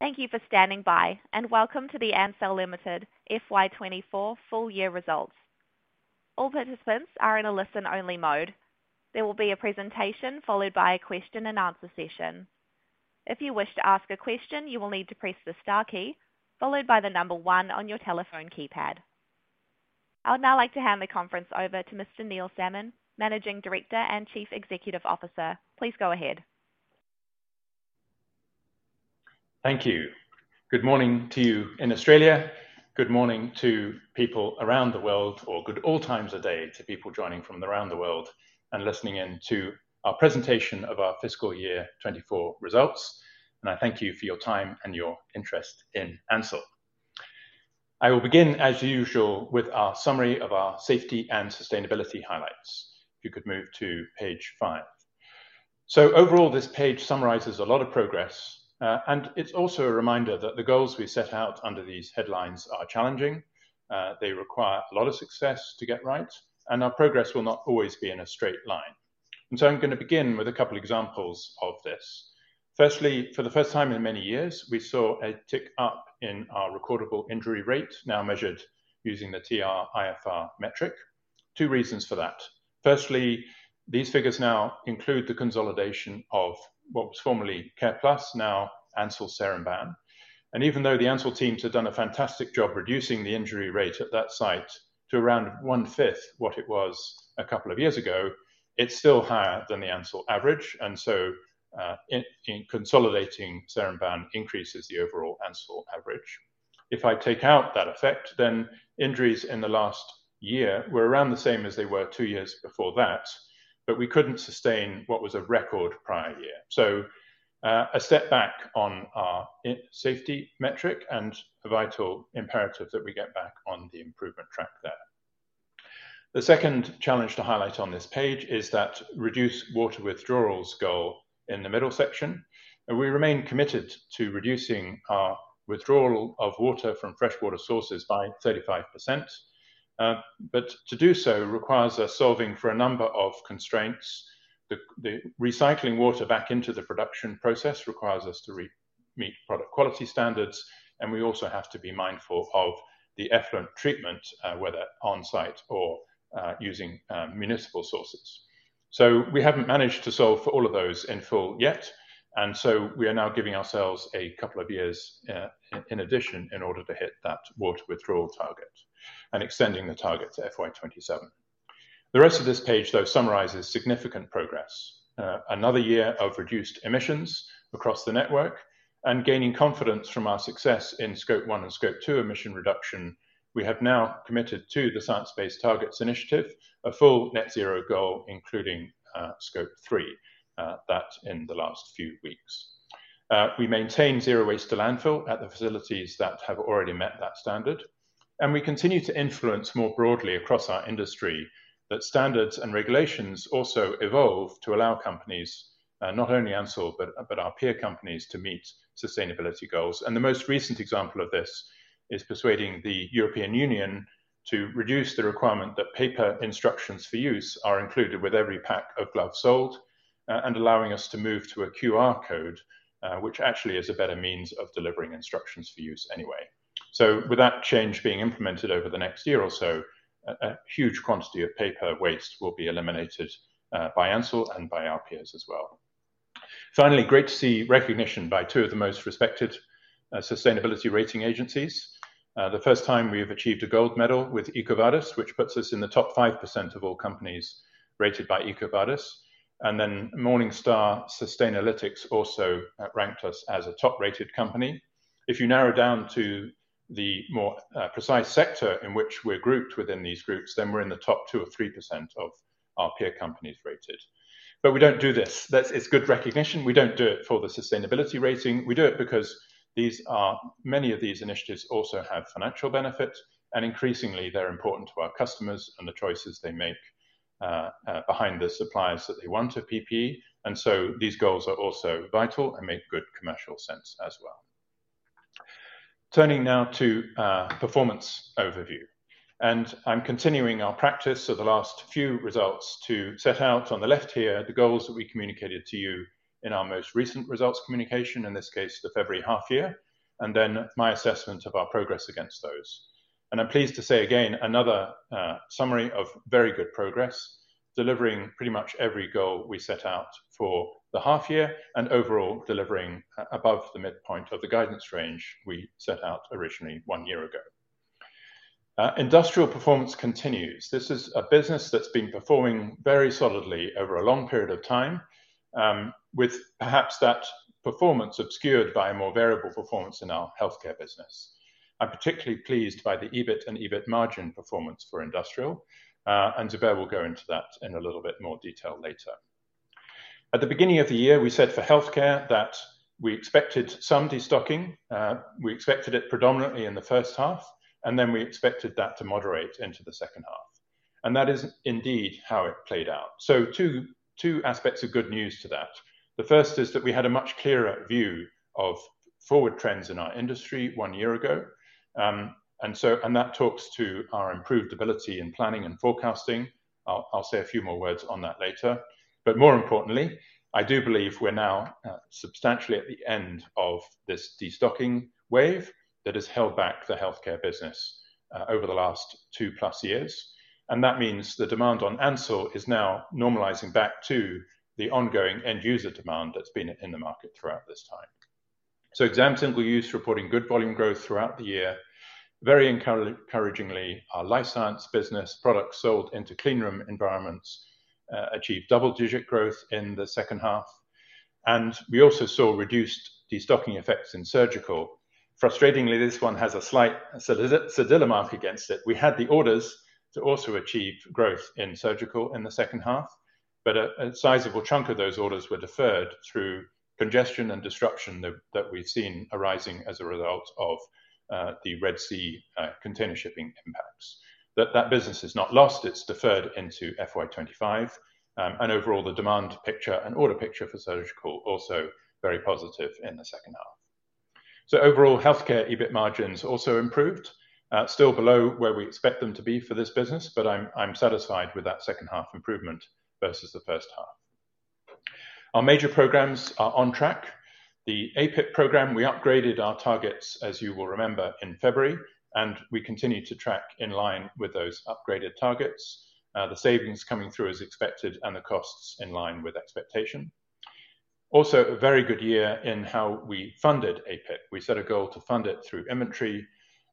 Thank you for standing by, and welcome to the Ansell Limited FY 24 full year results. All participants are in a listen-only mode. There will be a presentation followed by a question and answer session. If you wish to ask a question, you will need to press the star key, followed by the number one on your telephone keypad. I would now like to hand the conference over to Mr. Neil Salmon, Managing Director and Chief Executive Officer. Please go ahead. Thank you. Good morning to you in Australia. Good morning to people around the world, or good all times of day to people joining from around the world and listening in to our presentation of our fiscal year 2024 results, and I thank you for your time and your interest in Ansell. I will begin, as usual, with our summary of our safety and sustainability highlights. If you could move to page 5, so overall, this page summarizes a lot of progress, and it's also a reminder that the goals we set out under these headlines are challenging, they require a lot of success to get right, and our progress will not always be in a straight line, and so I'm gonna begin with a couple examples of this. Firstly, for the first time in many years, we saw a tick up in our recordable injury rate, now measured using the TRIR metric. Two reasons for that: firstly, these figures now include the consolidation of what was formerly Careplus, now Ansell Seremban. And even though the Ansell teams have done a fantastic job reducing the injury rate at that site to around one-fifth what it was a couple of years ago, it's still higher than the Ansell average, and so, consolidating, Seremban increases the overall Ansell average. If I take out that effect, then injuries in the last year were around the same as they were two years before that, but we couldn't sustain what was a record prior year. So, a step back on our injury safety metric and a vital imperative that we get back on the improvement track there. The second challenge to highlight on this page is that reduce water withdrawals goal in the middle section, and we remain committed to reducing our withdrawal of water from freshwater sources by 35%. But to do so requires us solving for a number of constraints. The recycling water back into the production process requires us to re-meet product quality standards, and we also have to be mindful of the effluent treatment, whether on-site or using municipal sources. So we haven't managed to solve for all of those in full yet, and so we are now giving ourselves a couple of years, in addition, in order to hit that water withdrawal target and extending the target to FY 2027. The rest of this page, though, summarizes significant progress. Another year of reduced emissions across the network and gaining confidence from our success in scope one and scope two emission reduction, we have now committed to the Science-based Targets Initiative, a full net zero goal, including scope three that in the last few weeks. We maintain zero waste to landfill at the facilities that have already met that standard, and we continue to influence more broadly across our industry that standards and regulations also evolve to allow companies, not only Ansell, but our peer companies, to meet sustainability goals, and the most recent example of this is persuading the European Union to reduce the requirement that paper instructions for use are included with every pack of gloves sold, and allowing us to move to a QR code, which actually is a better means of delivering instructions for use anyway. So with that change being implemented over the next year or so, a huge quantity of paper waste will be eliminated by Ansell and by our peers as well. Finally, great to see recognition by two of the most respected sustainability rating agencies. The first time we have achieved a gold medal with EcoVadis, which puts us in the top 5% of all companies rated by EcoVadis, and then Morningstar Sustainalytics also ranked us as a top-rated company. If you narrow down to the more precise sector in which we're grouped within these groups, then we're in the top 2% or 3% of our peer companies rated. But we don't do this. It's good recognition, we don't do it for the sustainability rating. We do it because these are many of these initiatives also have financial benefits, and increasingly they're important to our customers and the choices they make behind the supplies that they want of PPE, and so these goals are also vital and make good commercial sense as well. Turning now to performance overview, and I'm continuing our practice of the last few results to set out on the left here, the goals that we communicated to you in our most recent results communication, in this case, the February half year, and then my assessment of our progress against those, and I'm pleased to say again, another summary of very good progress, delivering pretty much every goal we set out for the half year and overall delivering above the midpoint of the guidance range we set out originally one year ago. Industrial performance continues. This is a business that's been performing very solidly over a long period of time, with perhaps that performance obscured by a more variable performance in our healthcare business. I'm particularly pleased by the EBIT and EBIT margin performance for industrial, and Zubair will go into that in a little bit more detail later. At the beginning of the year, we said for healthcare, that we expected some destocking. We expected it predominantly in the first half, and then we expected that to moderate into the second half. And that is indeed how it played out. So two aspects of good news to that. The first is that we had a much clearer view of forward trends in our industry one year ago. And that talks to our improved ability in planning and forecasting.... I'll say a few more words on that later. But more importantly, I do believe we're now substantially at the end of this destocking wave that has held back the healthcare business over the last two plus years, and that means the demand on Ansell is now normalizing back to the ongoing end user demand that's been in the market throughout this time. So Exam Single Use reporting good volume growth throughout the year. Very encouragingly, our life science business products sold into clean room environments achieved double digit growth in the second half, and we also saw reduced destocking effects in surgical. Frustratingly, this one has a slight sedilla mark against it. We had the orders to also achieve growth in surgical in the second half, but a sizable chunk of those orders were deferred through congestion and disruption that we've seen arising as a result of the Red Sea container shipping impacts, but that business is not lost, it's deferred into FY 2025. And overall, the demand picture and order picture for surgical also very positive in the second half, so overall, healthcare EBIT margins also improved, still below where we expect them to be for this business, but I'm satisfied with that second half improvement versus the first half. Our major programs are on track. The APIP program, we upgraded our targets, as you will remember, in February, and we continued to track in line with those upgraded targets. The savings coming through as expected and the costs in line with expectation. Also, a very good year in how we funded APIP. We set a goal to fund it through inventory,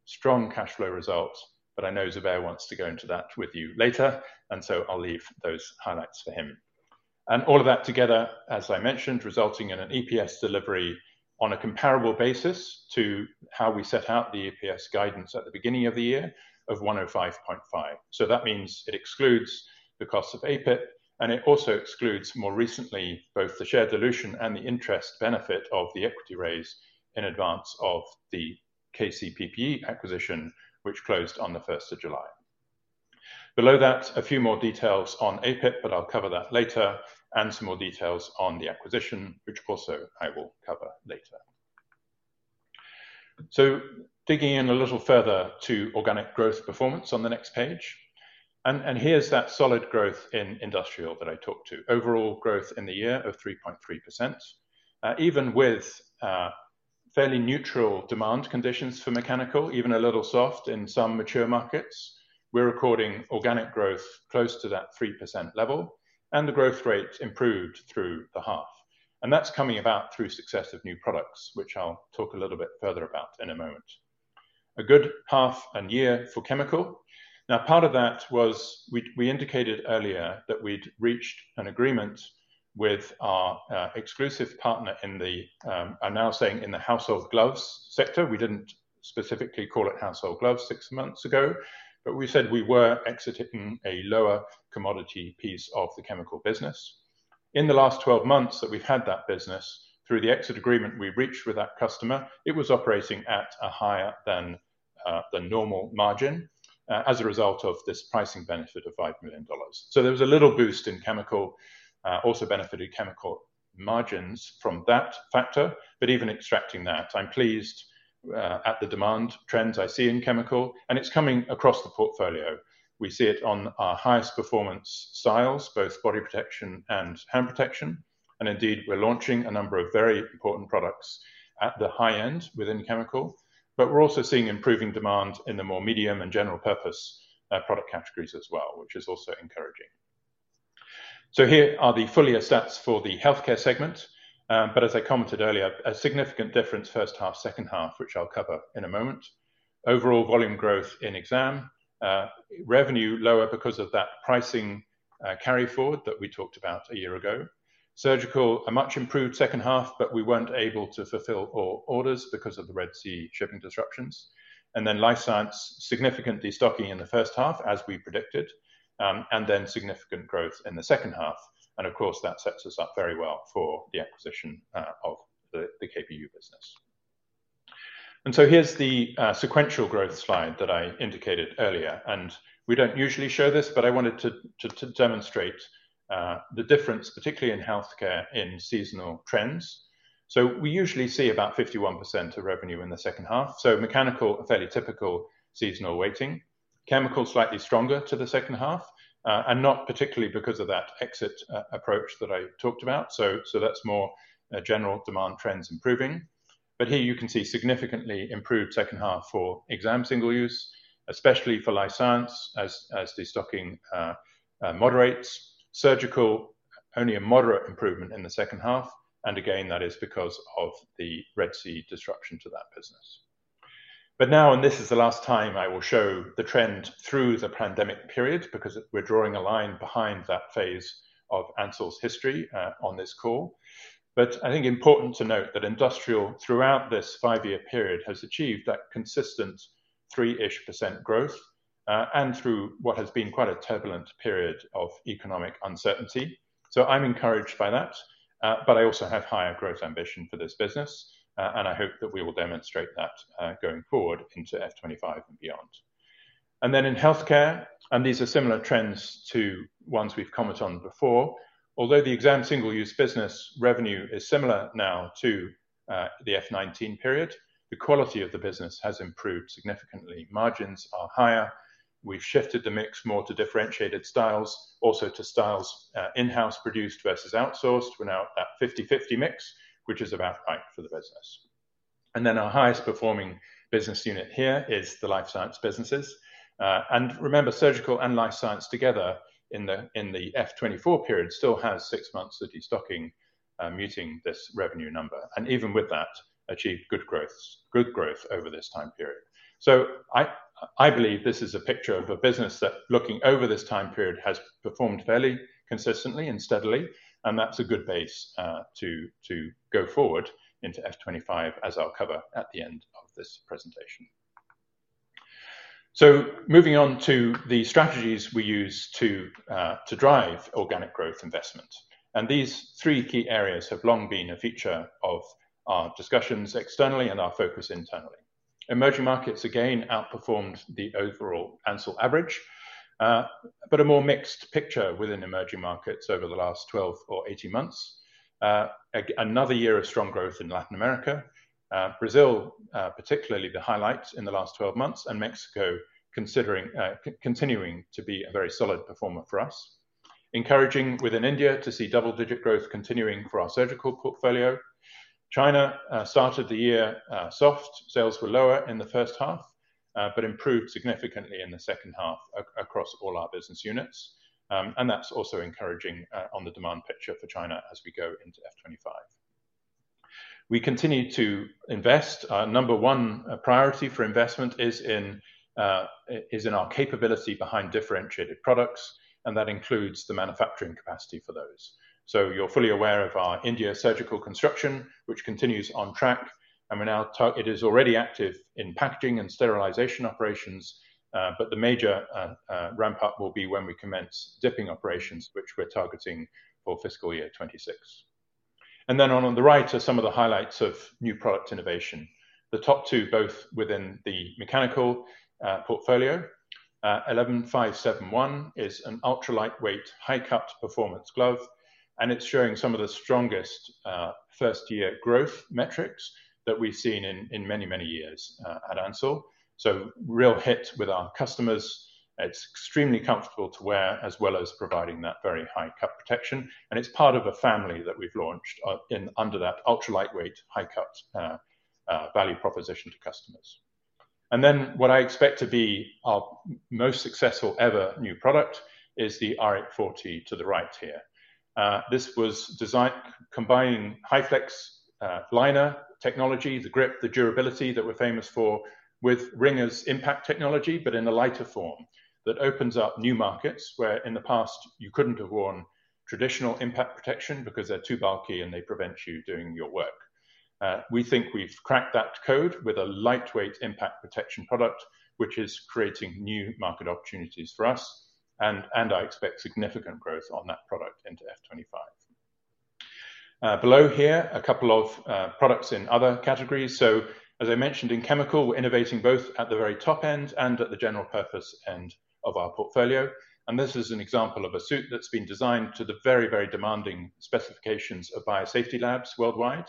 strong cash flow results, but I know Zubair wants to go into that with you later, and so I'll leave those highlights for him. And all of that together, as I mentioned, resulting in an EPS delivery on a comparable basis to how we set out the EPS guidance at the beginning of the year, of 105.5. So that means it excludes the cost of APIP, and it also excludes, more recently, both the share dilution and the interest benefit of the equity raise in advance of the KCPPE acquisition, which closed on the 1st of July. Below that, a few more details on APIP, but I'll cover that later, and some more details on the acquisition, which also I will cover later. Digging in a little further to organic growth performance on the next page, and here's that solid growth in industrial that I talked to. Overall growth in the year of 3.3%. Even with fairly neutral demand conditions for mechanical, even a little soft in some mature markets, we're recording organic growth close to that 3% level, and the growth rate improved through the half. That's coming about through success of new products, which I'll talk a little bit further about in a moment. A good half-year for chemical. Now, part of that was we indicated earlier that we'd reached an agreement with our exclusive partner in the household gloves sector. We didn't specifically call it household gloves six months ago, but we said we were exiting a lower commodity piece of the chemical business. In the last twelve months that we've had that business, through the exit agreement we reached with that customer, it was operating at a higher than the normal margin as a result of this pricing benefit of $5 million. So there was a little boost in chemical, also benefited chemical margins from that factor, but even extracting that, I'm pleased at the demand trends I see in chemical, and it's coming across the portfolio. We see it on our highest performance styles, both body protection and hand protection, and indeed, we're launching a number of very important products at the high end within chemical, but we're also seeing improving demand in the more medium and general purpose product categories as well, which is also encouraging. So here are the fuller stats for the healthcare segment, but as I commented earlier, a significant difference first half, second half, which I'll cover in a moment. Overall volume growth in exam, revenue lower because of that pricing carry forward that we talked about a year ago. Surgical, a much improved second half, but we weren't able to fulfill all orders because of the Red Sea shipping disruptions. Then life science, significant destocking in the first half, as we predicted, and then significant growth in the second half, and of course, that sets us up very well for the acquisition of the KBU business. Here's the sequential growth slide that I indicated earlier, and we don't usually show this, but I wanted to demonstrate the difference, particularly in healthcare, in seasonal trends. We usually see about 51% of revenue in the second half. Mechanical, a fairly typical seasonal weighting. Chemical, slightly stronger to the second half, and not particularly because of that exit approach that I talked about. That's more general demand trends improving. But here you can see significantly improved second half for exam single use, especially for life science, as destocking moderates. Surgical, only a moderate improvement in the second half, and again, that is because of the Red Sea disruption to that business. But now, and this is the last time I will show the trend through the pandemic period, because we're drawing a line behind that phase of Ansell's history, on this call. But I think important to note that industrial, throughout this five-year period, has achieved that consistent three-ish % growth, and through what has been quite a turbulent period of economic uncertainty. So I'm encouraged by that, but I also have higher growth ambition for this business, and I hope that we will demonstrate that, going forward into FY25 and beyond. And then in healthcare, and these are similar trends to ones we've commented on before, although the exam single-use business revenue is similar now to the FY19 period, the quality of the business has improved significantly. Margins are higher. We've shifted the mix more to differentiated styles, also to styles in-house produced versus outsourced. We're now at fifty-fifty mix, which is about right for the business... And then our highest performing business unit here is the life science businesses. And remember, surgical and life science together in the FY24 period still has six months of destocking muting this revenue number, and even with that, achieved good growths, good growth over this time period. I believe this is a picture of a business that, looking over this time period, has performed fairly consistently and steadily, and that's a good base to go forward into FY25, as I'll cover at the end of this presentation. So moving on to the strategies we use to drive organic growth investment. And these three key areas have long been a feature of our discussions externally and our focus internally. Emerging markets, again, outperformed the overall Ansell average, but a more mixed picture within emerging markets over the last 12 or 18 months. Another year of strong growth in Latin America. Brazil, particularly the highlight in the last 12 months, and Mexico continuing to be a very solid performer for us. Encouraging within India to see double-digit growth continuing for our surgical portfolio. China started the year soft. Sales were lower in the first half, but improved significantly in the second half across all our business units, and that's also encouraging on the demand picture for China as we go into FY 2025. We continue to invest. Our number one priority for investment is in our capability behind differentiated products, and that includes the manufacturing capacity for those. So you're fully aware of our India surgical construction, which continues on track, and we're now targeting it. It is already active in packaging and sterilization operations, but the major ramp up will be when we commence dipping operations, which we're targeting for fiscal year 2026. Then on the right are some of the highlights of new product innovation. The top two, both within the mechanical portfolio. 11-571 is an ultra-lightweight, high cut performance glove, and it's showing some of the strongest first-year growth metrics that we've seen in many years at Ansell. So real hit with our customers. It's extremely comfortable to wear, as well as providing that very high cut protection, and it's part of a family that we've launched under that ultra-lightweight, high cut value proposition to customers. And then, what I expect to be our most successful ever new product is the R840 to the right here. This was designed combining HyFlex liner technology, the grip, the durability that we're famous for, with Ringers impact technology, but in a lighter form, that opens up new markets, where in the past you couldn't have worn traditional impact protection because they're too bulky and they prevent you doing your work. We think we've cracked that code with a lightweight impact protection product, which is creating new market opportunities for us, and I expect significant growth on that product into FY 25. Below here, a couple of products in other categories. So, as I mentioned, in chemical, we're innovating both at the very top end and at the general purpose end of our portfolio. And this is an example of a suit that's been designed to the very, very demanding specifications of biosafety labs worldwide.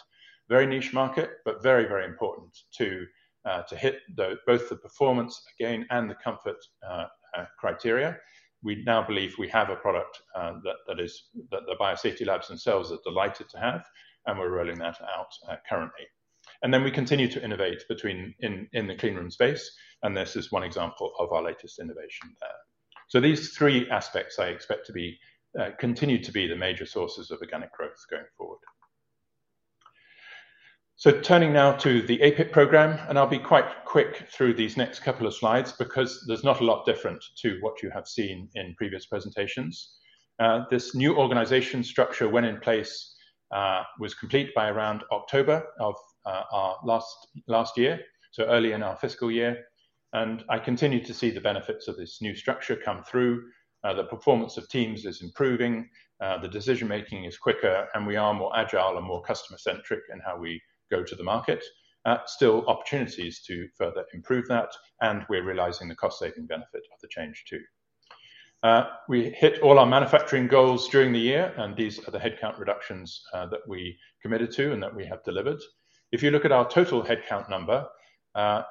Very niche market, but very, very important to hit both the performance and the comfort criteria. We now believe we have a product that the biosafety labs themselves are delighted to have, and we're rolling that out currently. We continue to innovate in the clean room space, and this is one example of our latest innovation there. These three aspects I expect to be continue to be the major sources of organic growth going forward. Turning now to the APIC program, and I'll be quite quick through these next couple of slides because there's not a lot different to what you have seen in previous presentations. This new organization structure, when in place, was complete by around October of last year, so early in our fiscal year. I continued to see the benefits of this new structure come through. The performance of teams is improving, the decision-making is quicker, and we are more agile and more customer-centric in how we go to the market. Still opportunities to further improve that, and we're realizing the cost-saving benefit of the change, too. We hit all our manufacturing goals during the year, and these are the headcount reductions that we committed to and that we have delivered. If you look at our total headcount number,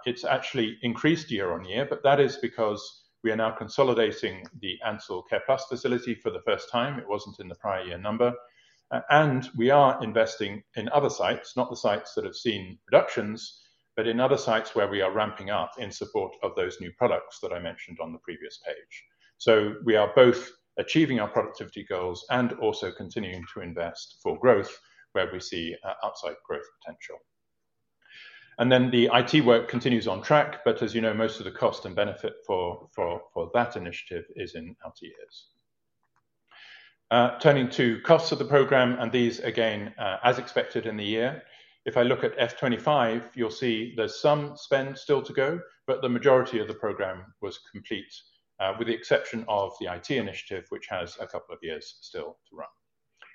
it's actually increased year on year, but that is because we are now consolidating the Ansell Care Plus facility for the first time. It wasn't in the prior year number, and we are investing in other sites, not the sites that have seen reductions, but in other sites where we are ramping up in support of those new products that I mentioned on the previous page. We are both achieving our productivity goals and also continuing to invest for growth where we see upside growth potential. And then the IT work continues on track, but as you know, most of the cost and benefit for that initiative is in out years. Turning to costs of the program, and these again as expected in the year. If I look at FY 2025, you'll see there's some spend still to go, but the majority of the program was complete with the exception of the IT initiative, which has a couple of years still to run.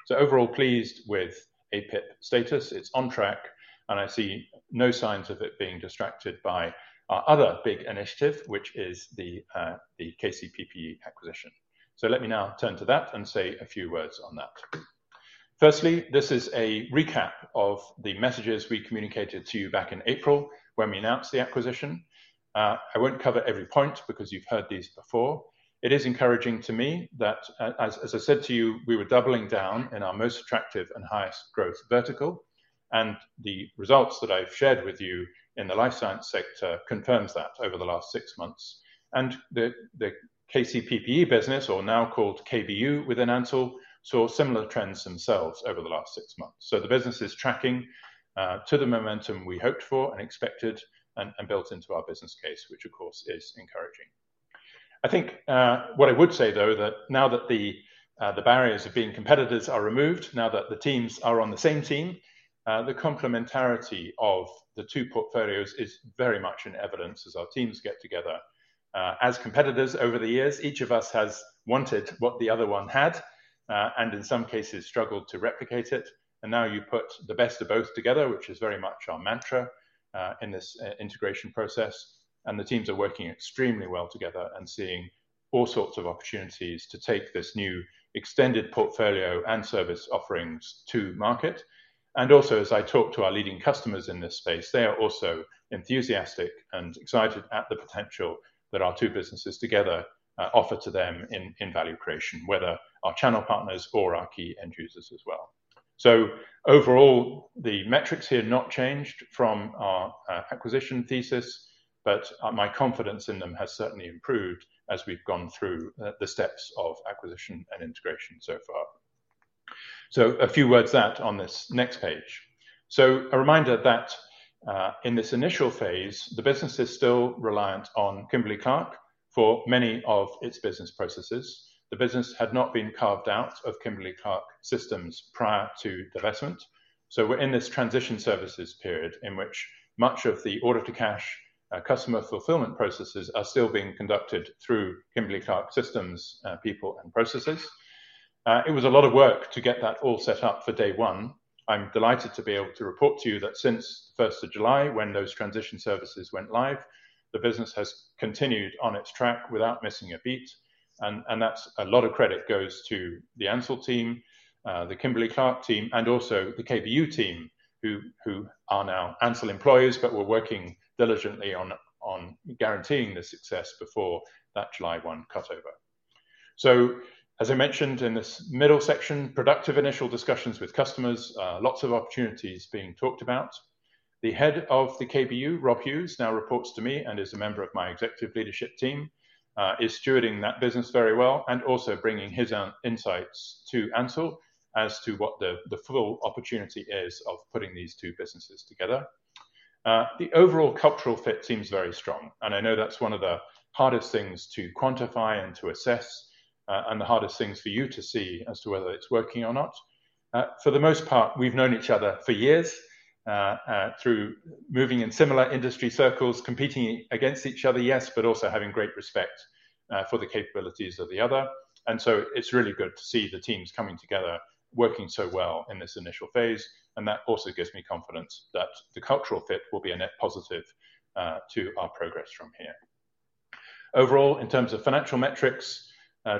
So overall, pleased with APIC status. It's on track, and I see no signs of it being distracted by our other big initiative, which is the KCPPE acquisition. So let me now turn to that and say a few words on that. Firstly, this is a recap of the messages we communicated to you back in April when we announced the acquisition. I won't cover every point because you've heard these before. It is encouraging to me that as I said to you, we were doubling down in our most attractive and highest growth vertical, and the results that I've shared with you in the life science sector confirms that over the last six months. The KCPPE business, or now called KBU within Ansell, saw similar trends themselves over the last six months. The business is tracking to the momentum we hoped for and expected and built into our business case, which of course is encouraging. I think what I would say though, that now that the barriers of being competitors are removed, now that the teams are on the same team, the complementarity of the two portfolios is very much in evidence as our teams get together. As competitors over the years, each of us has wanted what the other one had, and in some cases struggled to replicate it, and now you put the best of both together, which is very much our mantra, in this integration process. And the teams are working extremely well together and seeing all sorts of opportunities to take this new extended portfolio and service offerings to market. And also, as I talk to our leading customers in this space, they are also enthusiastic and excited at the potential that our two businesses together offer to them in value creation, whether our channel partners or our key end users as well. So overall, the metrics here have not changed from our acquisition thesis, but my confidence in them has certainly improved as we've gone through the steps of acquisition and integration so far. So a few words to add on this next page. So a reminder that in this initial phase, the business is still reliant on Kimberly-Clark for many of its business processes. The business had not been carved out of Kimberly-Clark systems prior to divestment, so we're in this transition services period in which much of the order to cash customer fulfillment processes are still being conducted through Kimberly-Clark systems, people and processes. It was a lot of work to get that all set up for day one. I'm delighted to be able to report to you that since the first of July, when those transition services went live, the business has continued on its track without missing a beat, and that's a lot of credit goes to the Ansell team, the Kimberly-Clark team, and also the KBU team, who are now Ansell employees, but were working diligently on guaranteeing the success before that July one cutover. So, as I mentioned in this middle section, productive initial discussions with customers, lots of opportunities being talked about. The head of the KBU, Rob Hughes, now reports to me and is a member of my executive leadership team, is stewarding that business very well and also bringing his own insights to Ansell as to what the full opportunity is of putting these two businesses together. The overall cultural fit seems very strong, and I know that's one of the hardest things to quantify and to assess, and the hardest things for you to see as to whether it's working or not. For the most part, we've known each other for years, through moving in similar industry circles, competing against each other, yes, but also having great respect, for the capabilities of the other. And so it's really good to see the teams coming together, working so well in this initial phase, and that also gives me confidence that the cultural fit will be a net positive, to our progress from here. Overall, in terms of financial metrics,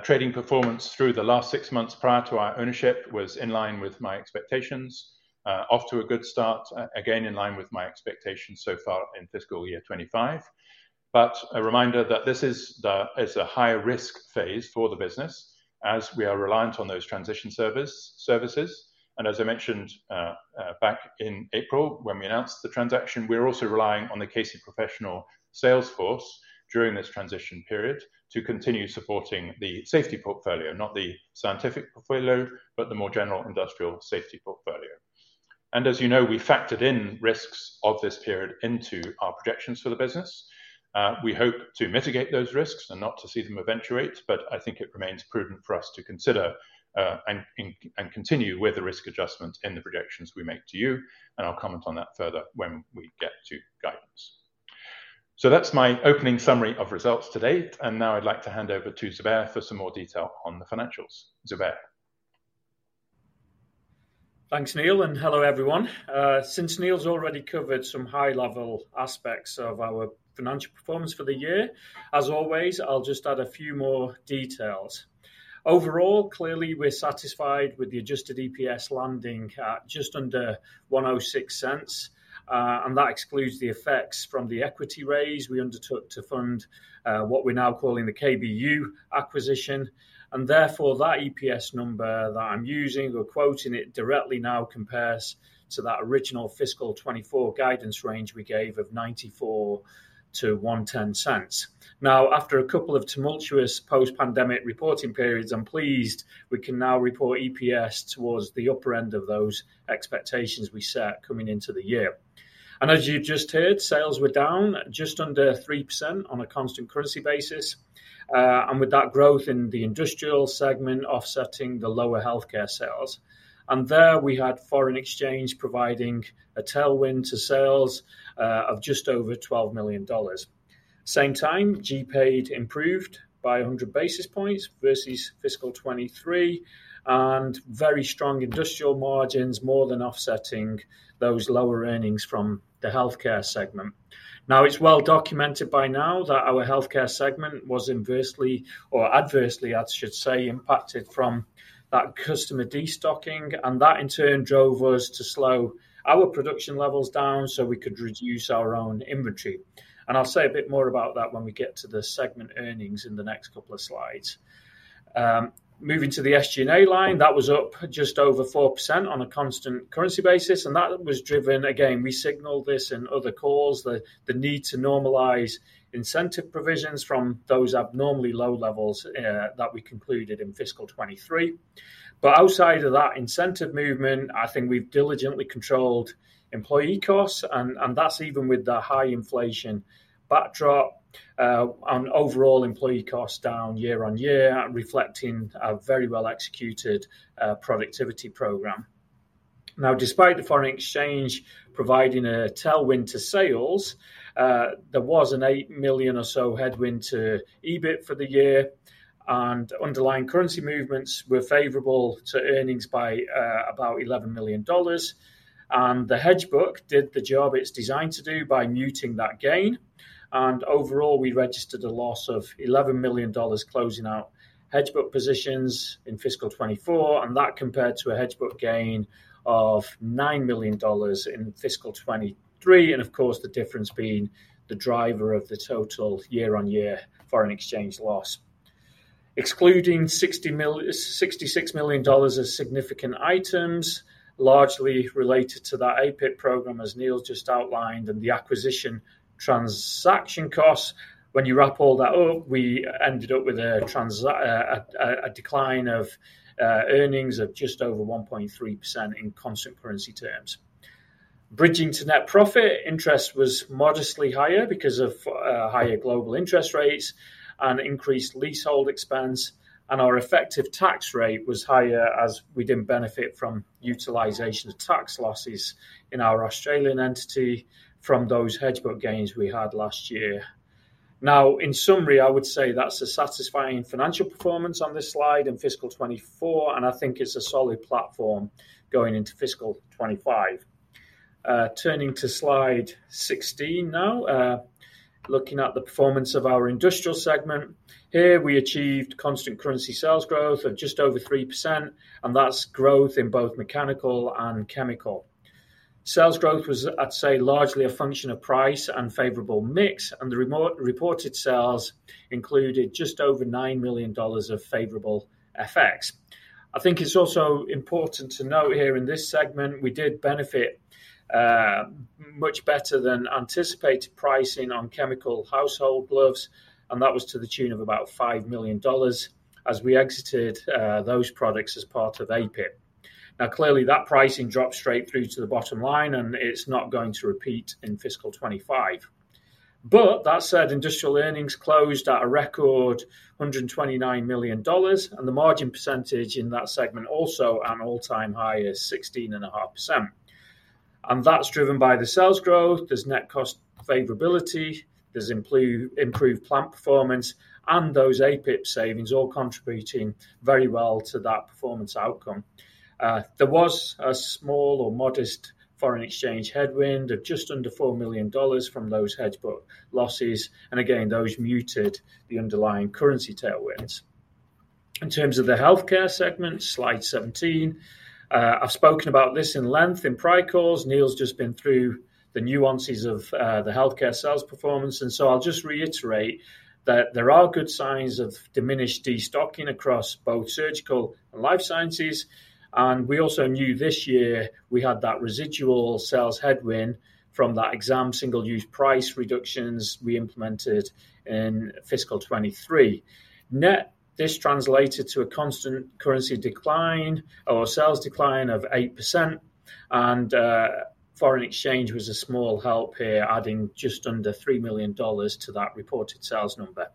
trading performance through the last six months prior to our ownership was in line with my expectations. Off to a good start, again, in line with my expectations so far in fiscal year twenty-five. But a reminder that this is a higher risk phase for the business as we are reliant on those transition services, and as I mentioned, back in April when we announced the transaction, we're also relying on the KC Professional sales force during this transition period to continue supporting the safety portfolio, not the scientific portfolio, but the more general industrial safety portfolio. As you know, we factored in risks of this period into our projections for the business. We hope to mitigate those risks and not to see them eventuate, but I think it remains prudent for us to consider and continue with the risk adjustment in the projections we make to you, and I'll comment on that further when we get to guidance. So that's my opening summary of results to date, and now I'd like to hand over to Zubair for some more detail on the financials. Zubair? Thanks, Neil, and hello, everyone. Since Neil's already covered some high-level aspects of our financial performance for the year, as always, I'll just add a few more details. Overall, clearly, we're satisfied with the adjusted EPS landing at just under $1.06, and that excludes the effects from the equity raise we undertook to fund, what we're now calling the KBU acquisition. And therefore, that EPS number that I'm using, we're quoting it directly now compares to that original fiscal 2024 guidance range we gave of $0.94-$1.10. Now, after a couple of tumultuous post-pandemic reporting periods, I'm pleased we can now report EPS towards the upper end of those expectations we set coming into the year. As you've just heard, sales were down just under 3% on a constant currency basis, and with that growth in the industrial segment offsetting the lower healthcare sales. There we had foreign exchange providing a tailwind to sales of just over $12 million. Same time, GPAD improved by 100 basis points versus fiscal 2023, and very strong industrial margins, more than offsetting those lower earnings from the healthcare segment. Now, it's well documented by now that our healthcare segment was inversely, or adversely, I should say, impacted from that customer destocking, and that in turn drove us to slow our production levels down so we could reduce our own inventory. I'll say a bit more about that when we get to the segment earnings in the next couple of slides. Moving to the SG&A line, that was up just over 4% on a constant currency basis, and that was driven. Again, we signaled this in other calls, the need to normalize incentive provisions from those abnormally low levels that we concluded in fiscal 2023. But outside of that incentive movement, I think we've diligently controlled employee costs, and that's even with the high inflation backdrop, and overall employee costs down year on year, reflecting our very well-executed productivity program. Now, despite the foreign exchange providing a tailwind to sales, there was an $8 million or so headwind to EBIT for the year, and underlying currency movements were favorable to earnings by about $11 million. The hedge book did the job it's designed to do by muting that gain, and overall, we registered a loss of $11 million closing out hedge book positions in fiscal 2024, and that compared to a hedge book gain of $9 million in fiscal 2023, and of course, the difference being the driver of the total year-on-year foreign exchange loss. Excluding $66 million of significant items, largely related to that APIC program, as Neil just outlined, and the acquisition transaction costs, when you wrap all that up, we ended up with a decline of earnings of just over 1.3% in constant currency terms. Bridging to net profit, interest was modestly higher because of higher global interest rates and increased leasehold expense, and our effective tax rate was higher as we didn't benefit from utilization of tax losses in our Australian entity from those hedge book gains we had last year. Now, in summary, I would say that's a satisfying financial performance on this slide in fiscal twenty-four, and I think it's a solid platform going into fiscal twenty-five. Turning to slide 16 now, looking at the performance of our industrial segment. Here, we achieved constant currency sales growth of just over 3%, and that's growth in both mechanical and chemical. Sales growth was, I'd say, largely a function of price and favorable mix, and the reported sales included just over $9 million of favorable FX. I think it's also important to note here in this segment, we did benefit much better than anticipated pricing on chemical household gloves, and that was to the tune of about $5 million as we exited those products as part of APIC. Now, clearly, that pricing dropped straight through to the bottom line, and it's not going to repeat in fiscal 2025. But that said, industrial earnings closed at a record $129 million, and the margin percentage in that segment, also an all-time high, is 16.5%. And that's driven by the sales growth, there's net cost favorability, there's improved plant performance, and those APIC savings all contributing very well to that performance outcome. There was a small or modest foreign exchange headwind of just under $4 million from those hedge book losses, and again, those muted the underlying currency tailwinds. In terms of the healthcare segment, slide 17, I've spoken about this in length in prior calls. Neil's just been through the nuances of the healthcare sales performance, and so I'll just reiterate that there are good signs of diminished destocking across both surgical and life sciences, and we also knew this year we had that residual sales headwind from that exam, single-use price reductions we implemented in fiscal 2023. Net, this translated to a constant currency decline or a sales decline of 8%, and foreign exchange was a small help here, adding just under $3 million to that reported sales number.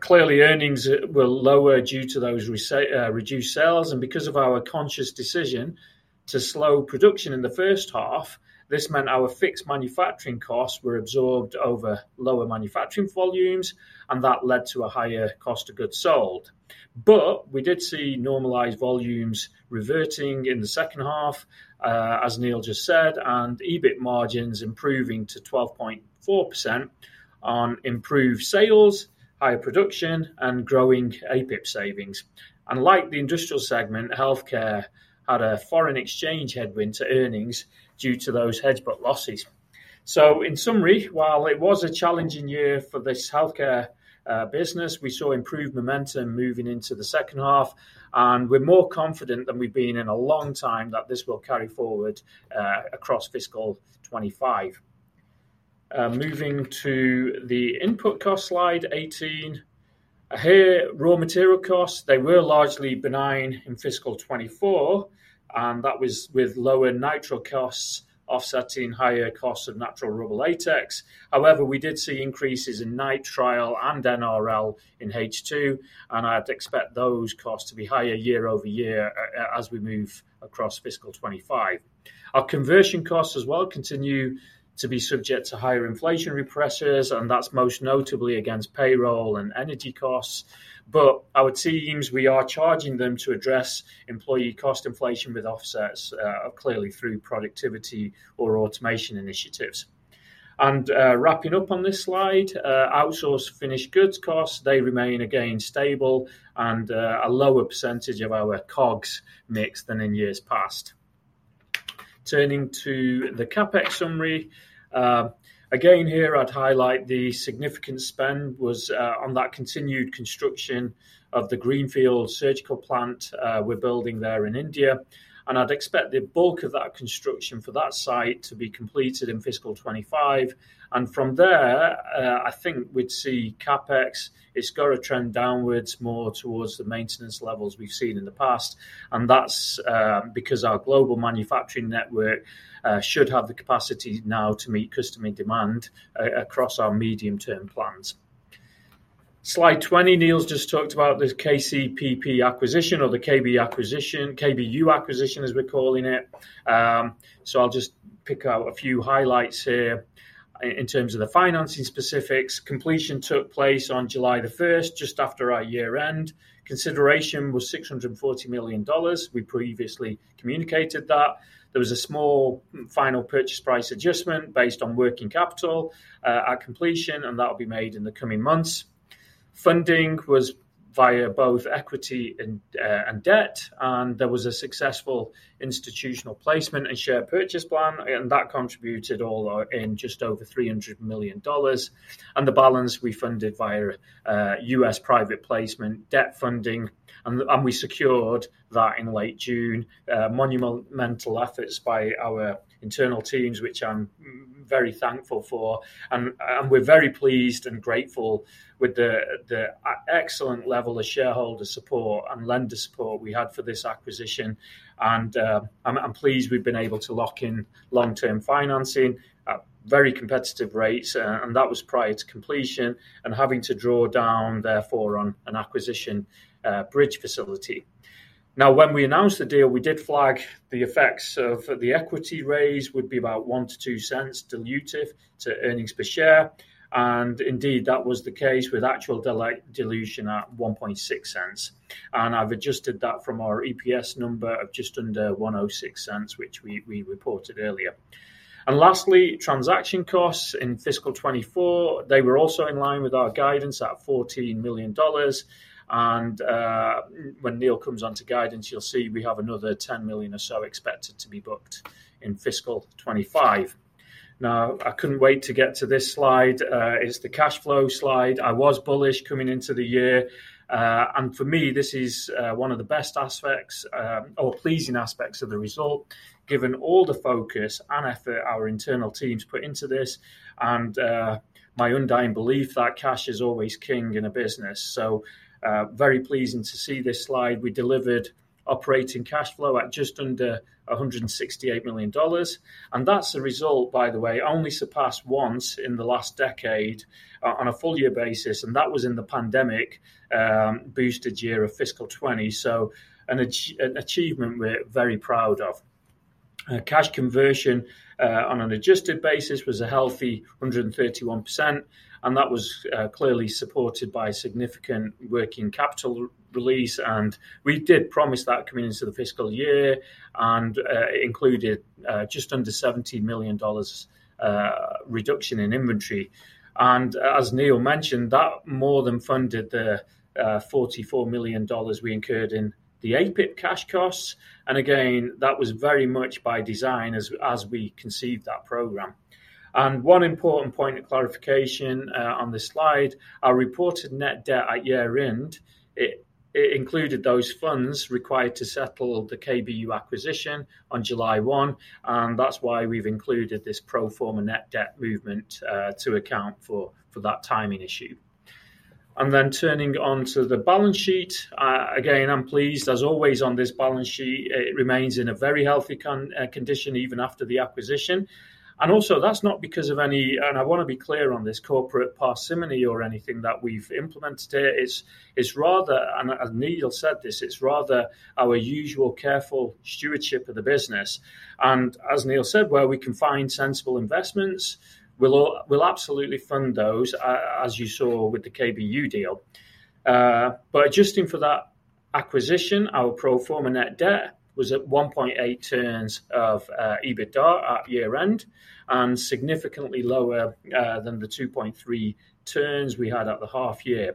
Clearly, earnings were lower due to those reduced sales, and because of our conscious decision to slow production in the first half, this meant our fixed manufacturing costs were absorbed over lower manufacturing volumes, and that led to a higher cost of goods sold, but we did see normalized volumes reverting in the second half, as Neil just said, and EBIT margins improving to 12.4% on improved sales, higher production, and growing APIP savings, and like the industrial segment, healthcare had a foreign exchange headwind to earnings due to those hedge book losses, so in summary, while it was a challenging year for this healthcare business, we saw improved momentum moving into the second half, and we're more confident than we've been in a long time that this will carry forward across fiscal 2025. Moving to the input cost, slide 18. Here, raw material costs, they were largely benign in fiscal 2024, and that was with lower nitrile costs offsetting higher costs of natural rubber latex. However, we did see increases in nitrile and NRL in H2, and I'd expect those costs to be higher year over year as we move across fiscal 2025. Our conversion costs as well continue to be subject to higher inflationary pressures, and that's most notably against payroll and energy costs. But our teams, we are charging them to address employee cost inflation with offsets clearly through productivity or automation initiatives. Wrapping up on this slide, outsourced finished goods costs, they remain again stable and a lower percentage of our COGS mix than in years past. Turning to the CapEx summary. Again, here I'd highlight the significant spend was on that continued construction of the greenfield surgical plant we're building there in India, and I'd expect the bulk of that construction for that site to be completed in fiscal 2025. And from there, I think we'd see CapEx; it's got to trend downwards more towards the maintenance levels we've seen in the past, and that's because our global manufacturing network should have the capacity now to meet customer demand across our medium-term plans. Slide 20, Neil's just talked about this KCPPE acquisition or the KBU acquisition, as we're calling it. So I'll just pick out a few highlights here. In terms of the financing specifics, completion took place on July the 1st, just after our year end. Consideration was $640 million. We previously communicated that. There was a small final purchase price adjustment based on working capital at completion, and that will be made in the coming months. Funding was via both equity and debt, and there was a successful institutional placement and share purchase plan, and that contributed all in just over $300 million, and the balance we funded via US private placement debt funding, and we secured that in late June. Monumental efforts by our internal teams, which I'm very thankful for. And we're very pleased and grateful with the excellent level of shareholder support and lender support we had for this acquisition. And I'm pleased we've been able to lock in long-term financing at very competitive rates and that was prior to completion, and having to draw down, therefore, on an acquisition bridge facility. Now, when we announced the deal, we did flag the effects of the equity raise would be about $0.01-$0.02 dilutive to earnings per share, and indeed, that was the case with actual dilution at $0.016. I've adjusted that from our EPS number of just under $1.06, which we reported earlier, and lastly, transaction costs in fiscal 2024, they were also in line with our guidance at $14 million. And when Neil comes onto guidance, you'll see we have another $10 million or so expected to be booked in fiscal 2025. Now, I couldn't wait to get to this slide. It's the cash flow slide. I was bullish coming into the year, and for me, this is one of the best aspects, or pleasing aspects of the result, given all the focus and effort our internal teams put into this, and my undying belief that cash is always king in a business. So, very pleasing to see this slide. We delivered operating cash flow at just under $168 million, and that's a result, by the way, only surpassed once in the last decade on a full year basis, and that was in the pandemic, boosted year of fiscal 2020. So an achievement we're very proud of. Cash conversion, on an adjusted basis, was a healthy 131%, and that was clearly supported by significant working capital release, and we did promise that coming into the fiscal year, and it included just under $70 million reduction in inventory. As Neil mentioned, that more than funded the $44 million we incurred in the APIP cash costs. And again, that was very much by design as we conceived that program. One important point of clarification on this slide, our reported net debt at year-end included those funds required to settle the KBU acquisition on July one, and that's why we've included this pro forma net debt movement to account for that timing issue. And then turning to the balance sheet, again, I'm pleased, as always, with this balance sheet. It remains in a very healthy condition, even after the acquisition. And also, that's not because of any, and I want to be clear on this, corporate parsimony or anything that we've implemented here. It's rather, as Neil said this, it's rather our usual careful stewardship of the business. And as Neil said, where we can find sensible investments, we'll absolutely fund those, as you saw with the KBU deal. But adjusting for that acquisition, our pro forma net debt was at 1.8 turns of EBITDA at year-end, and significantly lower than the 2.3 turns we had at the half year.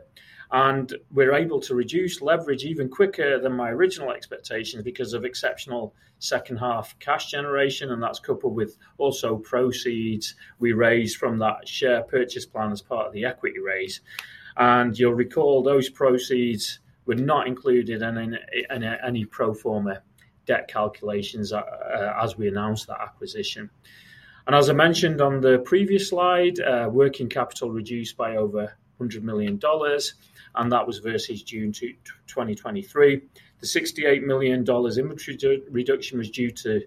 We're able to reduce leverage even quicker than my original expectations because of exceptional second-half cash generation, and that's coupled with also proceeds we raised from that share purchase plan as part of the equity raise. You'll recall, those proceeds were not included in any pro forma debt calculations as we announced that acquisition. As I mentioned on the previous slide, working capital reduced by over $100 million, and that was versus June 2023. The $68 million inventory reduction was due to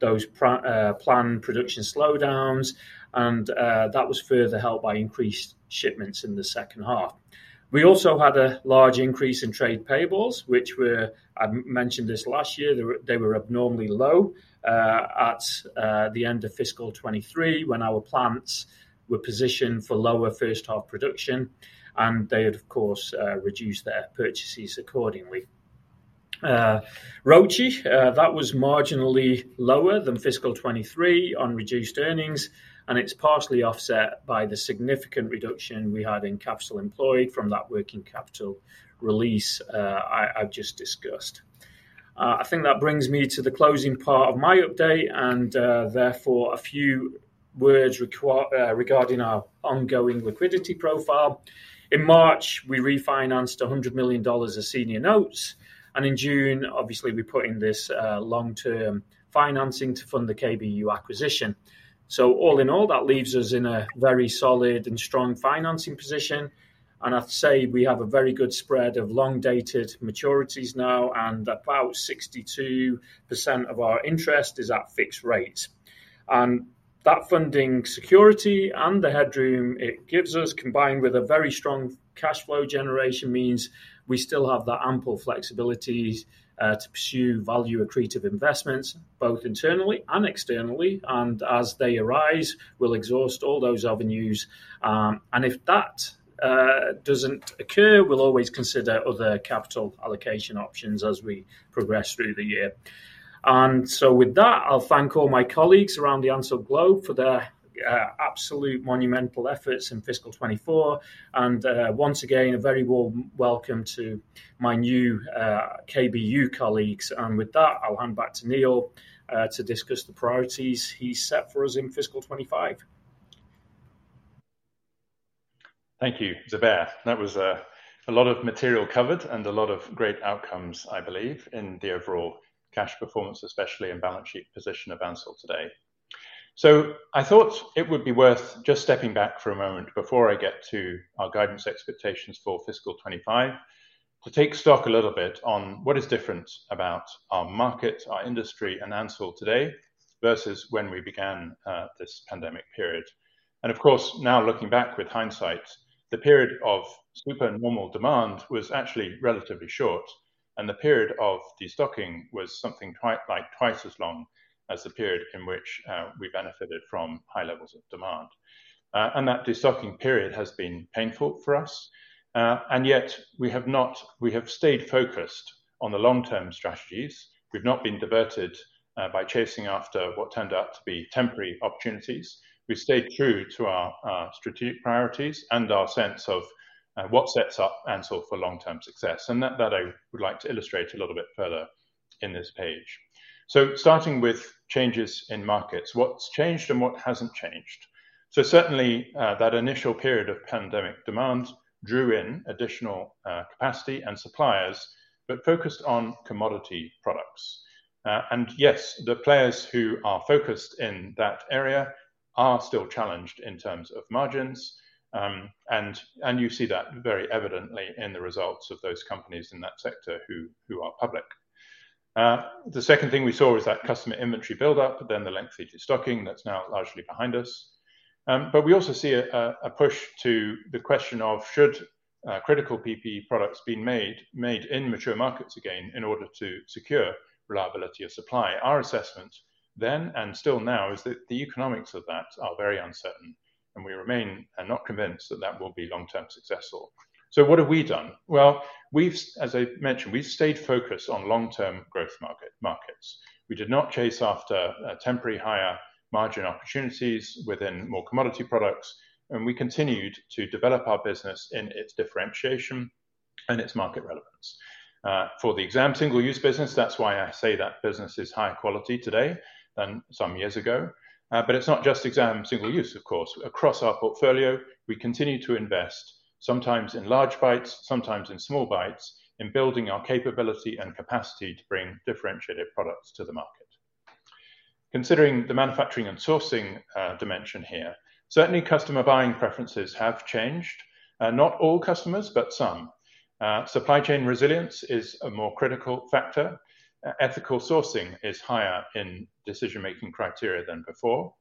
those planned production slowdowns, and that was further helped by increased shipments in the second half. We also had a large increase in trade payables, which were, I mentioned this last year, they were abnormally low at the end of fiscal 2023, when our plants were positioned for lower first half production, and they had, of course, reduced their purchases accordingly. ROCE that was marginally lower than fiscal 2023 on reduced earnings, and it's partially offset by the significant reduction we had in capital employed from that working capital release I've just discussed. I think that brings me to the closing part of my update, and therefore, a few words regarding our ongoing liquidity profile. In March, we refinanced $100 million of senior notes, and in June, obviously, we put in this long-term financing to fund the KBU acquisition. So all in all, that leaves us in a very solid and strong financing position, and I'd say we have a very good spread of long-dated maturities now, and about 62% of our interest is at fixed rate. That funding security and the headroom it gives us, combined with a very strong cash flow generation, means we still have the ample flexibilities to pursue value accretive investments, both internally and externally. And as they arise, we'll exhaust all those avenues. And if that doesn't occur, we'll always consider other capital allocation options as we progress through the year. And so with that, I'll thank all my colleagues around the Ansell globe for their absolute monumental efforts in fiscal 2024, and once again, a very warm welcome to my new KBU colleagues. And with that, I'll hand back to Neil to discuss the priorities he set for us in fiscal 2025. Thank you, Zubair. That was a lot of material covered and a lot of great outcomes, I believe, in the overall cash performance, especially in balance sheet position of Ansell today. So I thought it would be worth just stepping back for a moment before I get to our guidance expectations for fiscal twenty-five, to take stock a little bit on what is different about our market, our industry, and Ansell today, versus when we began this pandemic period. And of course, now looking back with hindsight, the period of super normal demand was actually relatively short, and the period of destocking was something quite like twice as long as the period in which we benefited from high levels of demand. And that destocking period has been painful for us, and yet we have stayed focused on the long-term strategies. We've not been diverted by chasing after what turned out to be temporary opportunities. We've stayed true to our strategic priorities and our sense of what sets up Ansell for long-term success, and that I would like to illustrate a little bit further in this page. Starting with changes in markets, what's changed and what hasn't changed? Certainly, that initial period of pandemic demand drew in additional capacity and suppliers, but focused on commodity products. And yes, the players who are focused in that area are still challenged in terms of margins. And you see that very evidently in the results of those companies in that sector who are public. The second thing we saw was that customer inventory buildup, then the lengthy destocking that's now largely behind us. But we also see a push to the question of should critical PPE products be made in mature markets again in order to secure reliability of supply? Our assessment then and still now is that the economics of that are very uncertain, and we remain not convinced that that will be long-term successful. So what have we done? Well, we've, as I mentioned, we've stayed focused on long-term growth markets. We did not chase after temporary higher margin opportunities within more commodity products, and we continued to develop our business in its differentiation and its market relevance. For the exam single-use business, that's why I say that business is higher quality today than some years ago. But it's not just exam single use, of course. Across our portfolio, we continue to invest, sometimes in large bites, sometimes in small bites, in building our capability and capacity to bring differentiated products to the market. Considering the manufacturing and sourcing dimension here, certainly customer buying preferences have changed, not all customers, but some. Supply chain resilience is a more critical factor. Ethical sourcing is higher in decision-making criteria than before,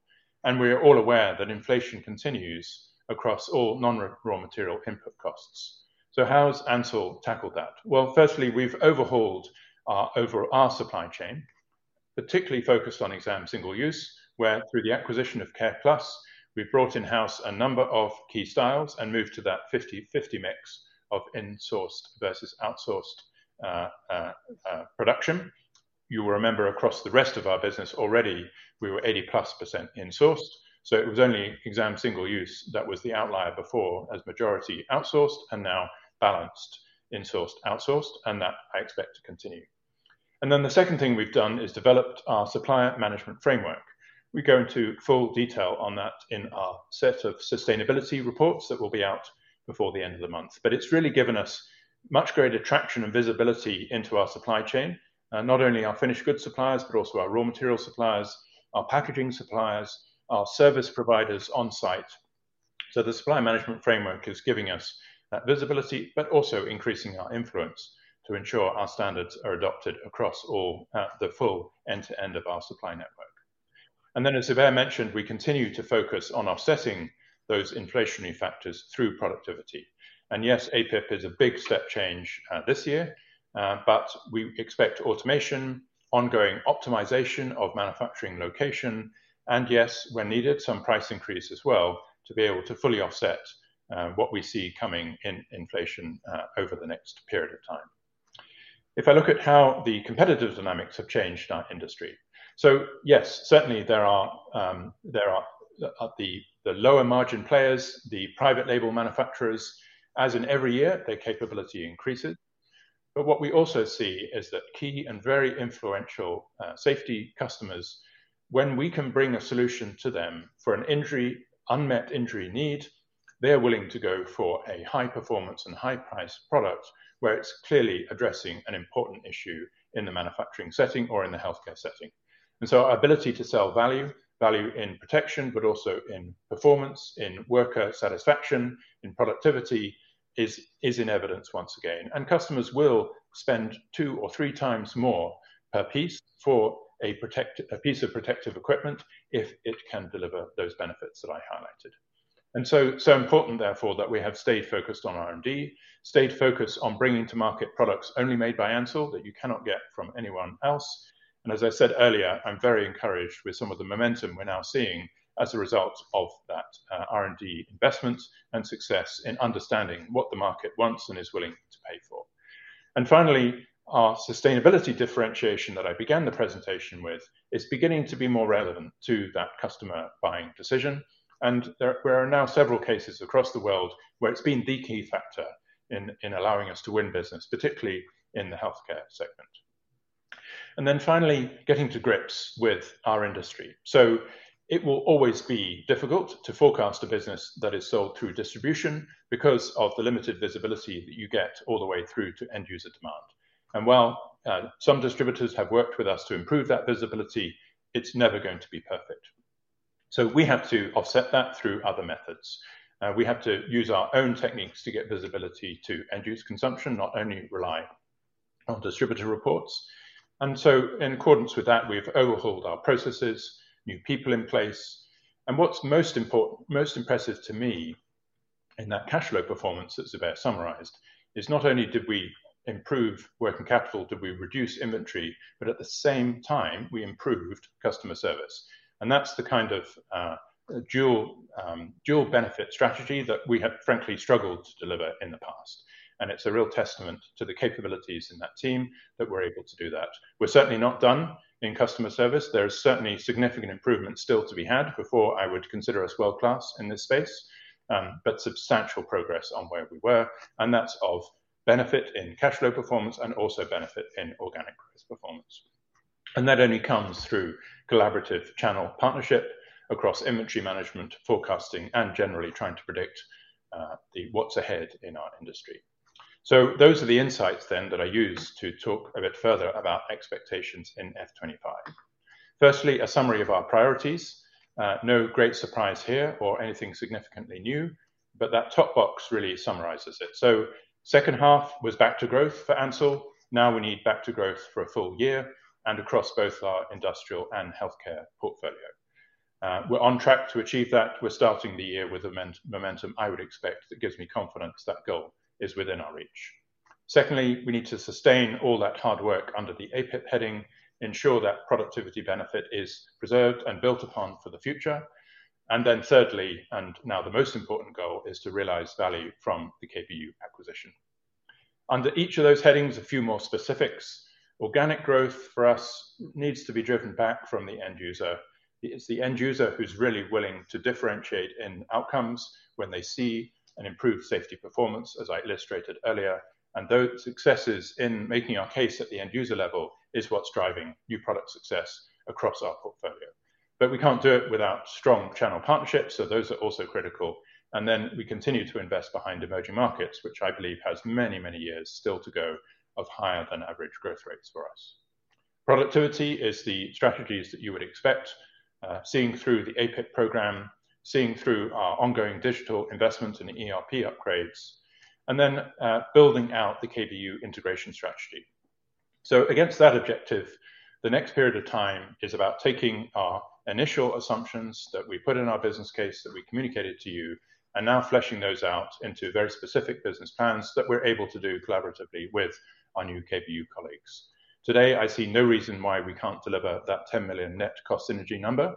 and we are all aware that inflation continues across all non-raw material input costs. So how has Ansell tackled that? Well, firstly, we've overhauled our supply chain, particularly focused on exam single use, where through the acquisition of Careplus, we've brought in-house a number of key styles and moved to that fifty/fifty mix of insourced versus outsourced production. You will remember across the rest of our business already, we were 80+% insourced, so it was only exam single use that was the outlier before, as majority outsourced and now balanced, insourced, outsourced, and that I expect to continue. And then the second thing we've done is developed our supplier management framework. We go into full detail on that in our set of sustainability reports that will be out before the end of the month. But it's really given us much greater traction and visibility into our supply chain. Not only our finished goods suppliers, but also our raw material suppliers, our packaging suppliers, our service providers on site. So the supply management framework is giving us that visibility, but also increasing our influence to ensure our standards are adopted across all, the full end-to-end of our supply network. And then, as Zubair mentioned, we continue to focus on offsetting those inflationary factors through productivity. And yes, APIP is a big step change this year, but we expect automation, ongoing optimization of manufacturing location, and yes, when needed, some price increase as well to be able to fully offset what we see coming in inflation over the next period of time. If I look at how the competitive dynamics have changed our industry. So yes, certainly there are the lower margin players, the private label manufacturers, as in every year, their capability increases. But what we also see is that key and very influential safety customers, when we can bring a solution to them for an injury, unmet injury need, they're willing to go for a high performance and high price product, where it's clearly addressing an important issue in the manufacturing setting or in the healthcare setting. And so our ability to sell value in protection, but also in performance, in worker satisfaction, in productivity, is in evidence once again. And customers will spend two or three times more per piece for a piece of protective equipment if it can deliver those benefits that I highlighted. And so important therefore that we have stayed focused on R&D, stayed focused on bringing to market products only made by Ansell that you cannot get from anyone else. And as I said earlier, I'm very encouraged with some of the momentum we're now seeing as a result of that R&D investment and success in understanding what the market wants and is willing to pay for. And finally, our sustainability differentiation that I began the presentation with is beginning to be more relevant to that customer buying decision. And there are now several cases across the world where it's been the key factor in allowing us to win business, particularly in the healthcare segment. And then finally, getting to grips with our industry, so it will always be difficult to forecast a business that is sold through distribution because of the limited visibility that you get all the way through to end user demand. And while some distributors have worked with us to improve that visibility, it's never going to be perfect. So we have to offset that through other methods. We have to use our own techniques to get visibility to end-use consumption, not only rely on distributor reports. And so in accordance with that, we've overhauled our processes, new people in place, and what's most impressive to me in that cash flow performance that Zubair summarized, is not only did we improve working capital, did we reduce inventory, but at the same time, we improved customer service. And that's the kind of dual benefit strategy that we have frankly struggled to deliver in the past. And it's a real testament to the capabilities in that team that we're able to do that. We're certainly not done in customer service. There is certainly significant improvement still to be had before I would consider us world-class in this space, but substantial progress on where we were, and that's of benefit in cash flow performance and also benefit in organic growth performance, and that only comes through collaborative channel partnership across inventory management, forecasting, and generally trying to predict the what's ahead in our industry, so those are the insights then, that I use to talk a bit further about expectations in F twenty-five. Firstly, a summary of our priorities. No great surprise here or anything significantly new, but that top box really summarizes it, so second half was back to growth for Ansell. Now we need back to growth for a full year and across both our industrial and healthcare portfolio. We're on track to achieve that. We're starting the year with a momentum I would expect that gives me confidence, that goal is within our reach. Secondly, we need to sustain all that hard work under the APEX heading, ensure that productivity benefit is preserved and built upon for the future, and then thirdly, and now the most important goal, is to realize value from the KBU acquisition. Under each of those headings, a few more specifics. Organic growth for us needs to be driven back from the end user. It's the end user who's really willing to differentiate in outcomes when they see an improved safety performance, as I illustrated earlier, and those successes in making our case at the end user level is what's driving new product success across our portfolio. But we can't do it without strong channel partnerships, so those are also critical. We continue to invest behind emerging markets, which I believe has many, many years still to go of higher than average growth rates for us. Productivity is the strategies that you would expect, seeing through the APIP program, seeing through our ongoing digital investment in ERP upgrades, and then building out the KBU integration strategy. Against that objective, the next period of time is about taking our initial assumptions that we put in our business case, that we communicated to you, and now fleshing those out into very specific business plans that we're able to do collaboratively with our new KBU colleagues. Today, I see no reason why we can't deliver that 10 million net cost synergy number.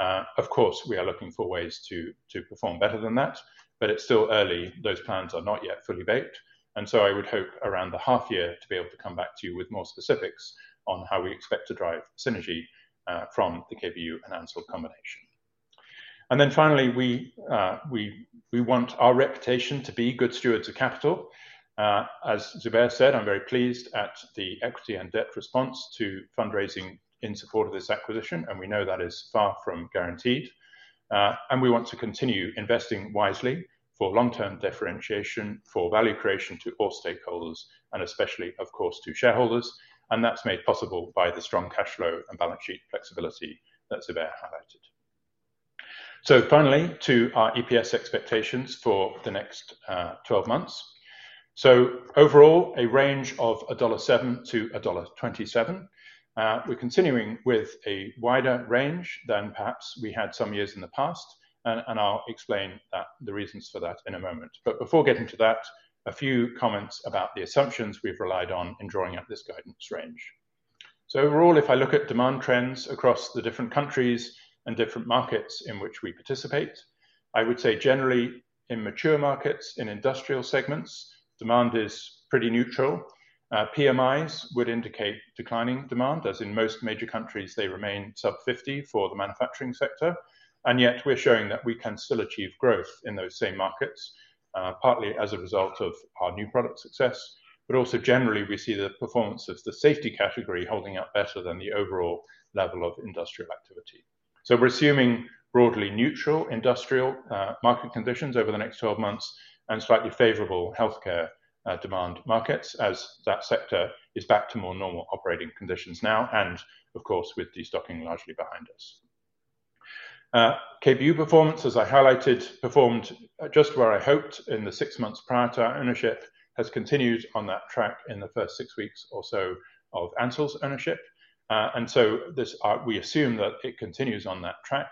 Of course, we are looking for ways to perform better than that, but it's still early. Those plans are not yet fully baked, and so I would hope around the half year to be able to come back to you with more specifics on how we expect to drive synergy from the KBU and Ansell combination, and then finally, we want our reputation to be good stewards of capital. As Zubair said, I'm very pleased at the equity and debt response to fundraising in support of this acquisition, and we know that is far from guaranteed, and we want to continue investing wisely for long-term differentiation, for value creation to all stakeholders, and especially, of course, to shareholders, and that's made possible by the strong cash flow and balance sheet flexibility that Zubair highlighted, so finally, to our EPS expectations for the next twelve months, so overall, a range of $1.07-$1.27. We're continuing with a wider range than perhaps we had some years in the past, and I'll explain that, the reasons for that in a moment. But before getting to that, a few comments about the assumptions we've relied on in drawing out this guidance range. So overall, if I look at demand trends across the different countries and different markets in which we participate, I would say generally in mature markets, in industrial segments, demand is pretty neutral. PMIs would indicate declining demand, as in most major countries, they remain sub 50 for the manufacturing sector, and yet we're showing that we can still achieve growth in those same markets, partly as a result of our new product success. But also generally, we see the performance of the safety category holding up better than the overall level of industrial activity. So we're assuming broadly neutral industrial market conditions over the next 12 months, and slightly favorable healthcare demand markets as that sector is back to more normal operating conditions now, and of course, with destocking largely behind us. KBU performance, as I highlighted, performed just where I hoped in the six months prior to our ownership, has continued on that track in the first six weeks or so of Ansell's ownership. And so this we assume that it continues on that track.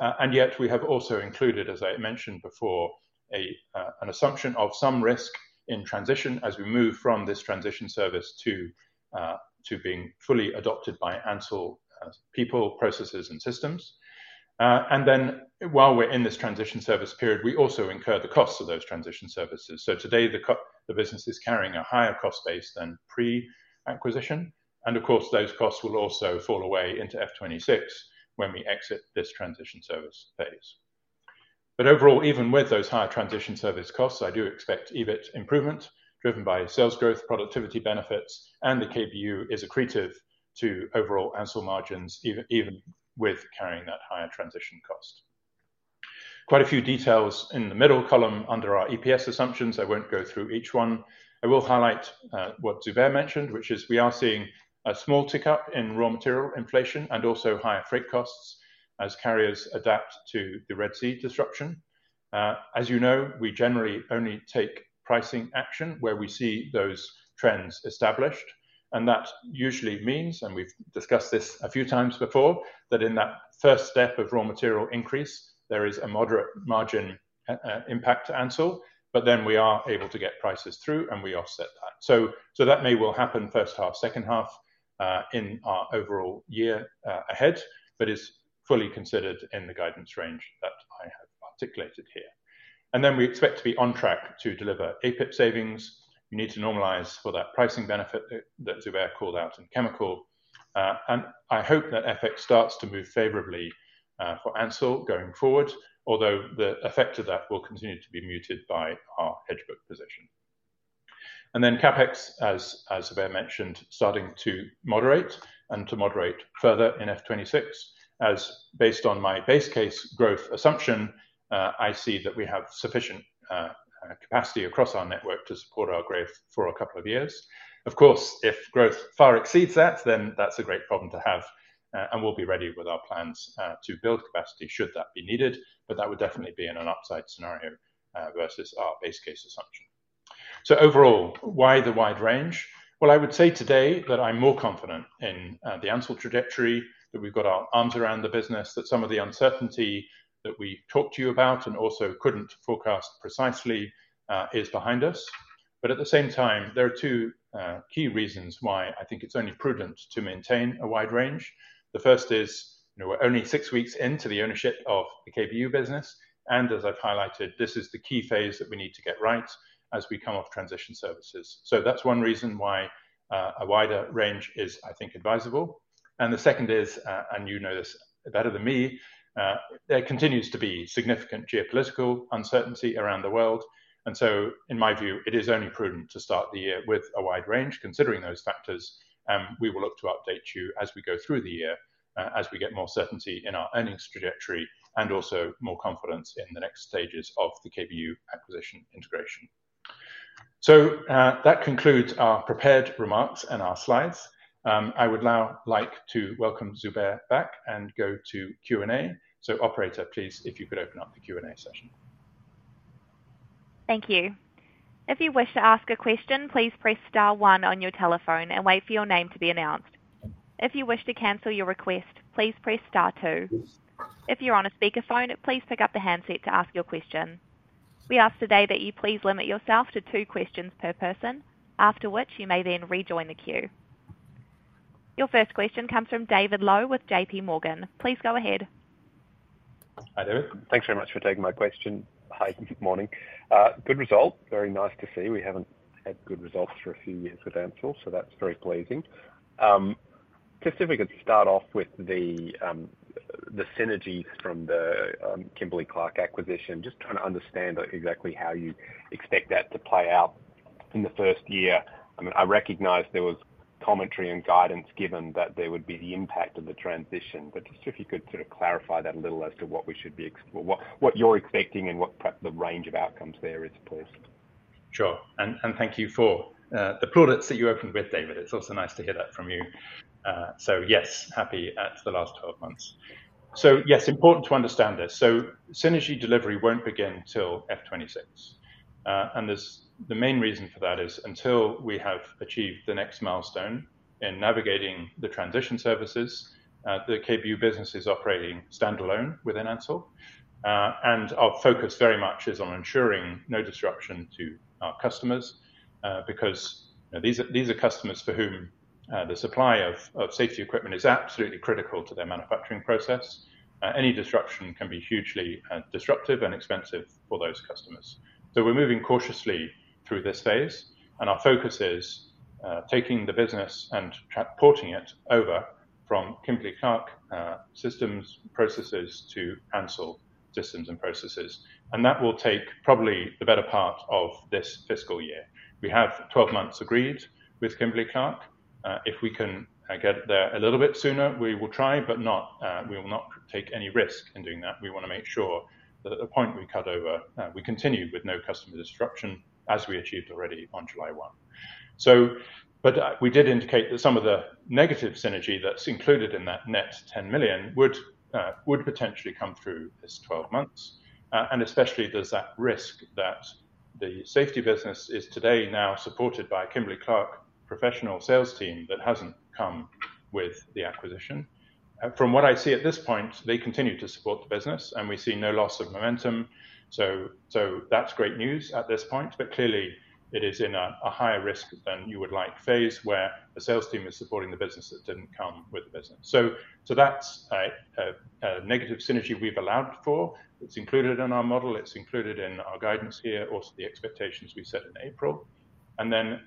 And yet we have also included, as I mentioned before, an assumption of some risk in transition as we move from this transition service to being fully adopted by Ansell as people, processes, and systems. And then while we're in this transition service period, we also incur the costs of those transition services. So today, the business is carrying a higher cost base than pre-acquisition, and of course, those costs will also fall away into FY 2026 when we exit this transition service phase. But overall, even with those higher transition service costs, I do expect EBIT improvement driven by sales growth, productivity benefits, and the KBU is accretive to overall Ansell margins, even with carrying that higher transition cost. Quite a few details in the middle column under our EPS assumptions. I won't go through each one. I will highlight what Zubair mentioned, which is we are seeing a small tick-up in raw material inflation and also higher freight costs as carriers adapt to the Red Sea disruption. As you know, we generally only take pricing action where we see those trends established, and that usually means, and we've discussed this a few times before, that in that first step of raw material increase, there is a moderate margin impact to Ansell, but then we are able to get prices through and we offset that. So that may well happen first half, second half, in our overall year ahead, but is fully considered in the guidance range that I have articulated here. We expect to be on track to deliver APIP savings. We need to normalize for that pricing benefit that Zubair called out in chemical. I hope that FX starts to move favorably for Ansell going forward, although the effect of that will continue to be muted by our hedge book position. And then CapEx, as Zubair mentioned, starting to moderate and to moderate further in FY 2026, as based on my base case growth assumption, I see that we have sufficient capacity across our network to support our growth for a couple of years. Of course, if growth far exceeds that, then that's a great problem to have, and we'll be ready with our plans to build capacity, should that be needed, but that would definitely be in an upside scenario versus our base case assumption. So overall, why the wide range? Well, I would say today that I'm more confident in the Ansell trajectory, that we've got our arms around the business, that some of the uncertainty that we talked to you about and also couldn't forecast precisely is behind us. But at the same time, there are two key reasons why I think it's only prudent to maintain a wide range. The first is, you know, we're only six weeks into the ownership of the KBU business, and as I've highlighted, this is the key phase that we need to get right as we come off transition services. So that's one reason why a wider range is, I think, advisable. And the second is, and you know this better than me, there continues to be significant geopolitical uncertainty around the world, and so in my view, it is only prudent to start the year with a wide range, considering those factors, and we will look to update you as we go through the year, as we get more certainty in our earnings trajectory and also more confidence in the next stages of the KBU acquisition integration. So, that concludes our prepared remarks and our slides. I would now like to welcome Zubair back and go to Q&A. So, operator, please, if you could open up the Q&A session. Thank you. If you wish to ask a question, please press star one on your telephone and wait for your name to be announced. If you wish to cancel your request, please press star two. If you're on a speakerphone, please pick up the handset to ask your question. We ask today that you please limit yourself to two questions per person, after which you may then rejoin the queue. Your first question comes from David Lowe with J.P. Morgan. Please go ahead. Hi there. Thanks very much for taking my question. Hi, good morning. Good result. Very nice to see. We haven't had good results for a few years with Ansell, so that's very pleasing. Just if we could start off with the synergy from the Kimberly-Clark acquisition. Just trying to understand exactly how you expect that to play out in the first year. I mean, I recognize there was commentary and guidance given that there would be the impact of the transition, but just if you could sort of clarify that a little as to what you're expecting and what perhaps the range of outcomes there is, please. Sure. And thank you for the plaudits that you opened with, David. It's also nice to hear that from you. So yes, happy at the last twelve months. So yes, important to understand this. So synergy delivery won't begin till F twenty-six. And the main reason for that is until we have achieved the next milestone in navigating the transition services, the KBU business is operating standalone within Ansell. And our focus very much is on ensuring no disruption to our customers, because these are customers for whom the supply of safety equipment is absolutely critical to their manufacturing process. Any disruption can be hugely disruptive and expensive for those customers. So we're moving cautiously through this phase, and our focus is taking the business and transporting it over from Kimberly-Clark systems, processes, to Ansell systems and processes, and that will take probably the better part of this fiscal year. We have twelve months agreed with Kimberly-Clark. If we can get there a little bit sooner, we will try, but not, we will not take any risk in doing that. We wanna make sure that at the point we cut over, we continue with no customer disruption, as we achieved already on July one. But we did indicate that some of the negative synergy that's included in that net $10 million would potentially come through this twelve months. And especially there's that risk that... The safety business is today now supported by Kimberly-Clark Professional sales team that hasn't come with the acquisition. From what I see at this point, they continue to support the business, and we see no loss of momentum. That's great news at this point, but clearly it is in a higher risk than you would like phase, where a sales team is supporting the business that didn't come with the business. That's a negative synergy we've allowed for. It's included in our model, it's included in our guidance here, also the expectations we set in April. And then,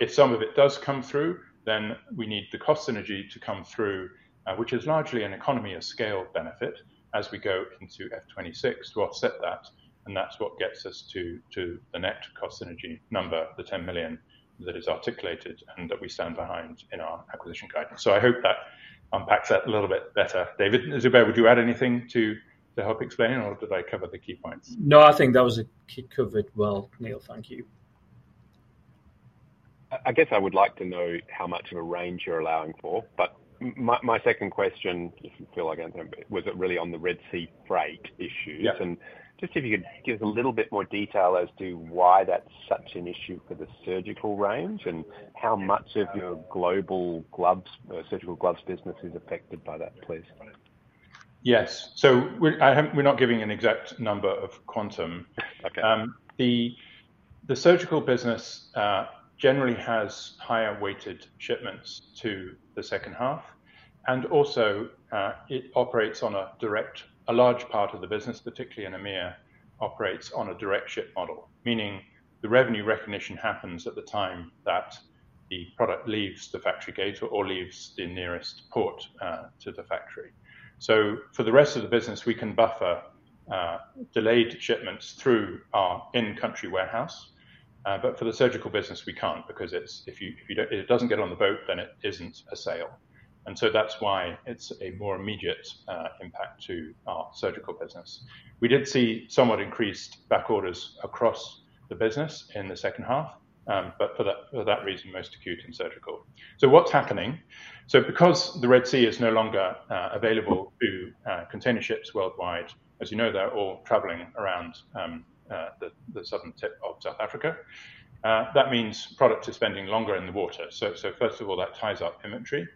if some of it does come through, then we need the cost synergy to come through, which is largely an economies of scale benefit as we go into FY 2026 to offset that, and that's what gets us to the net cost synergy number, the $10 million that is articulated and that we stand behind in our acquisition guidance. So I hope that unpacks that a little bit better. Zubair Javeed, would you add anything to help explain, or did I cover the key points? No, I think that was it. You covered well, Neil. Thank you. I guess I would like to know how much of a range you're allowing for, but my second question, if you feel like answering, was really on the Red Sea freight issues. Yeah. Just if you could give us a little bit more detail as to why that's such an issue for the surgical range, and how much of your global gloves, surgical gloves business is affected by that, please? Yes, so I haven't. We're not giving an exact number of quantum. Okay. The surgical business generally has higher weighted shipments to the second half, and also, it operates on a direct ship model. A large part of the business, particularly in EMEIA, operates on a direct ship model, meaning the revenue recognition happens at the time that the product leaves the factory gate or leaves the nearest port to the factory. So for the rest of the business, we can buffer delayed shipments through our in-country warehouse, but for the surgical business, we can't because it's, if you, if you don't, it doesn't get on the boat, then it isn't a sale, and so that's why it's a more immediate impact to our surgical business. We did see somewhat increased back orders across the business in the second half, but for that reason, most acute in surgical. So what's happening? Because the Red Sea is no longer available to container ships worldwide, as you know, they're all traveling around the southern tip of South Africa. That means products are spending longer in the water. First of all, that ties up inventory.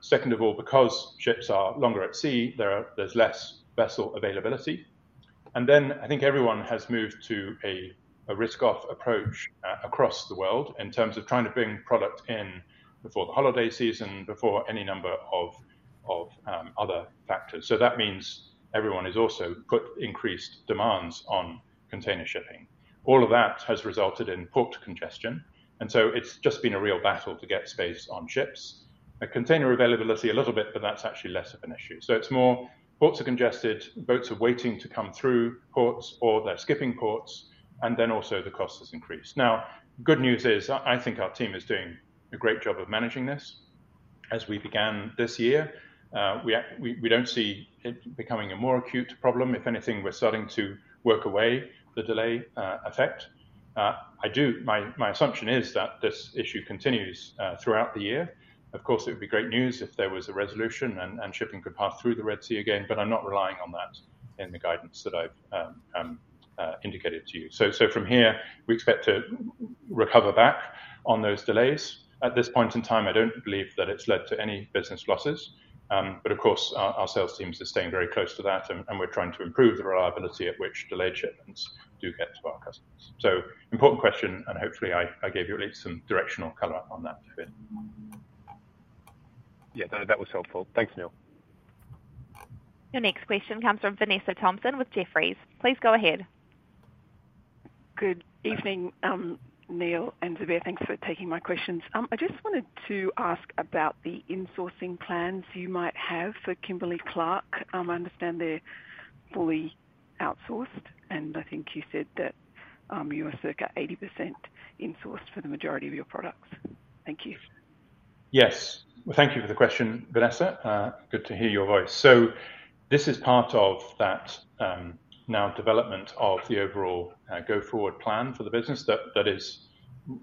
Second of all, because ships are longer at sea, there's less vessel availability. And then I think everyone has moved to a risk-off approach across the world in terms of trying to bring product in before the holiday season, before any number of other factors. That means everyone has also put increased demands on container shipping. All of that has resulted in port congestion, and so it's just been a real battle to get space on ships. And container availability a little bit, but that's actually less of an issue. It's more ports are congested, boats are waiting to come through ports, or they're skipping ports, and then also the cost has increased. Now, good news is I think our team is doing a great job of managing this. As we began this year, we don't see it becoming a more acute problem. If anything, we're starting to work away the delay effect. My assumption is that this issue continues throughout the year. Of course, it would be great news if there was a resolution and shipping could pass through the Red Sea again, but I'm not relying on that in the guidance that I've indicated to you. From here, we expect to recover back on those delays. At this point in time, I don't believe that it's led to any business losses, but of course, our sales teams are staying very close to that, and we're trying to improve the reliability at which delayed shipments do get to our customers. So important question, and hopefully, I gave you at least some directional color on that front. Yeah, that, that was helpful. Thanks, Neil. Your next question comes from Vanessa Thompson with Jefferies. Please go ahead. Good evening, Neil and Zubair. Thanks for taking my questions. I just wanted to ask about the insourcing plans you might have for Kimberly-Clark. I understand they're fully outsourced, and I think you said that you are circa 80% insourced for the majority of your products. Thank you. Yes. Thank you for the question, Vanessa. Good to hear your voice. So this is part of that now development of the overall go-forward plan for the business. That is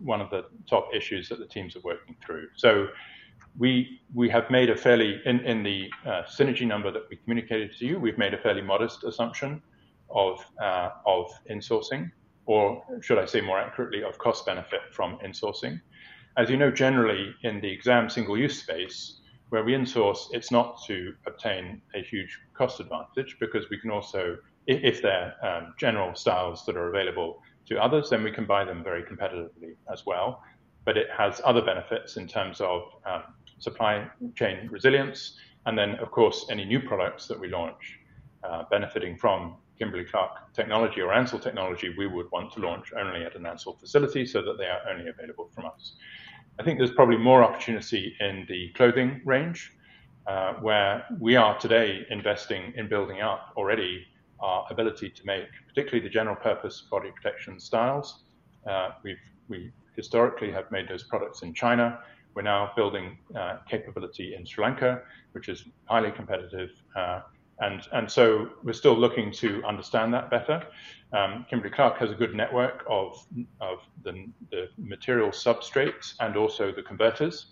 one of the top issues that the teams are working through. So we have made a fairly modest assumption of insourcing. In the synergy number that we communicated to you, we've made a fairly modest assumption of insourcing, or should I say, more accurately, of cost benefit from insourcing. As you know, generally, in the exam single-use space, where we insource, it's not to obtain a huge cost advantage because we can also- if, if there are general styles that are available to others, then we can buy them very competitively as well, but it has other benefits in terms of supply chain resilience, and then, of course, any new products that we launch benefiting from Kimberly-Clark technology or Ansell technology, we would want to launch only at an Ansell facility so that they are only available from us. I think there's probably more opportunity in the clothing range, where we are today investing in building up already our ability to make, particularly the general-purpose body protection styles. We've historically have made those products in China. We're now building capability in Sri Lanka, which is highly competitive. And so we're still looking to understand that better. Kimberly-Clark has a good network of the material substrates and also the converters,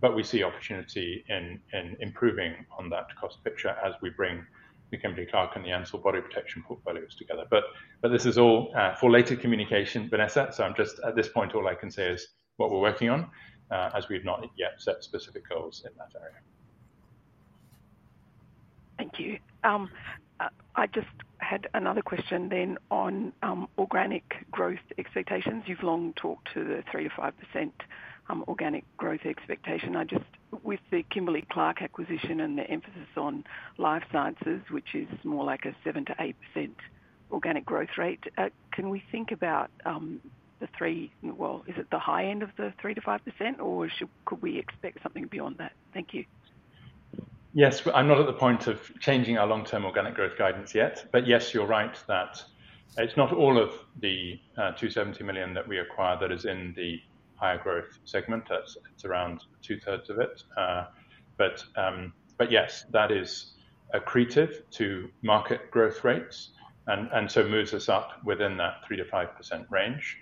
but we see opportunity in improving on that cost picture as we bring the Kimberly-Clark and the Ansell body protection portfolios together. But this is all for later communication, Vanessa, so I'm just at this point all I can say is what we're working on as we've not yet set specific goals in that area. Thank you. I just had another question then on organic growth expectations. You've long talked to the 3-5% organic growth expectation. I just, with the Kimberly-Clark acquisition and the emphasis on life sciences, which is more like a 7-8% organic growth rate, can we think about the 3-5%, is it the high end of the 3-5%, or should, could we expect something beyond that? Thank you. Yes, I'm not at the point of changing our long-term organic growth guidance yet, but yes, you're right that it's not all of the $270 million that we acquired that is in the higher growth segment. That's around two-thirds of it. Yes, that is accretive to market growth rates and so moves us up within that 3%-5% range.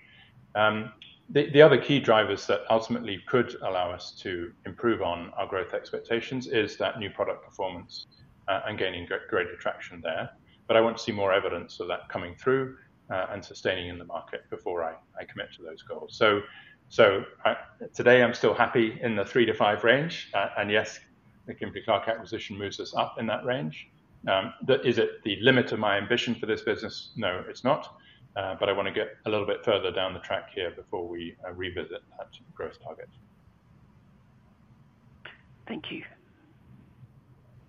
The other key drivers that ultimately could allow us to improve on our growth expectations is that new product performance and gaining great attraction there. But I want to see more evidence of that coming through and sustaining in the market before I commit to those goals. Today I'm still happy in the 3%-5% range. Yes, the Kimberly-Clark acquisition moves us up in that range. Is it the limit of my ambition for this business? No, it's not. But I wanna get a little bit further down the track here before we revisit that growth target. Thank you.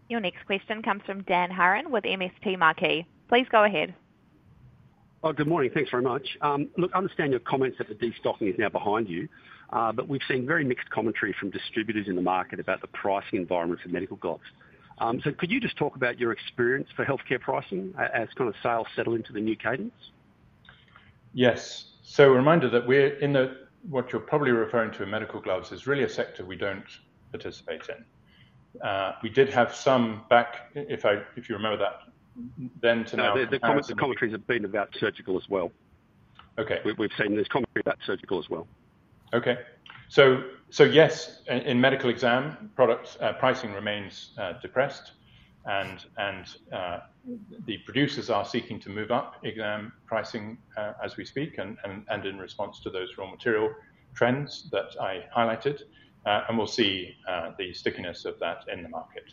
Your next question comes from Dan Hurren with MST Marquee. Please go ahead. Oh, good morning. Thanks very much. Look, I understand your comments that the destocking is now behind you, but we've seen very mixed commentary from distributors in the market about the pricing environment for medical gloves, so could you just talk about your experience for healthcare pricing as kind of sales settle into the new cadence? Yes. So a reminder that we're not in the, what you're probably referring to in medical gloves, is really a sector we don't participate in. We did have some backlog, if you remember that from then to now- No, the comments, the commentaries have been about surgical as well. Okay. We've seen this commentary about surgical as well. Okay. So yes, in medical exam products, pricing remains depressed and the producers are seeking to move up exam pricing as we speak and in response to those raw material trends that I highlighted, and we'll see the stickiness of that in the market.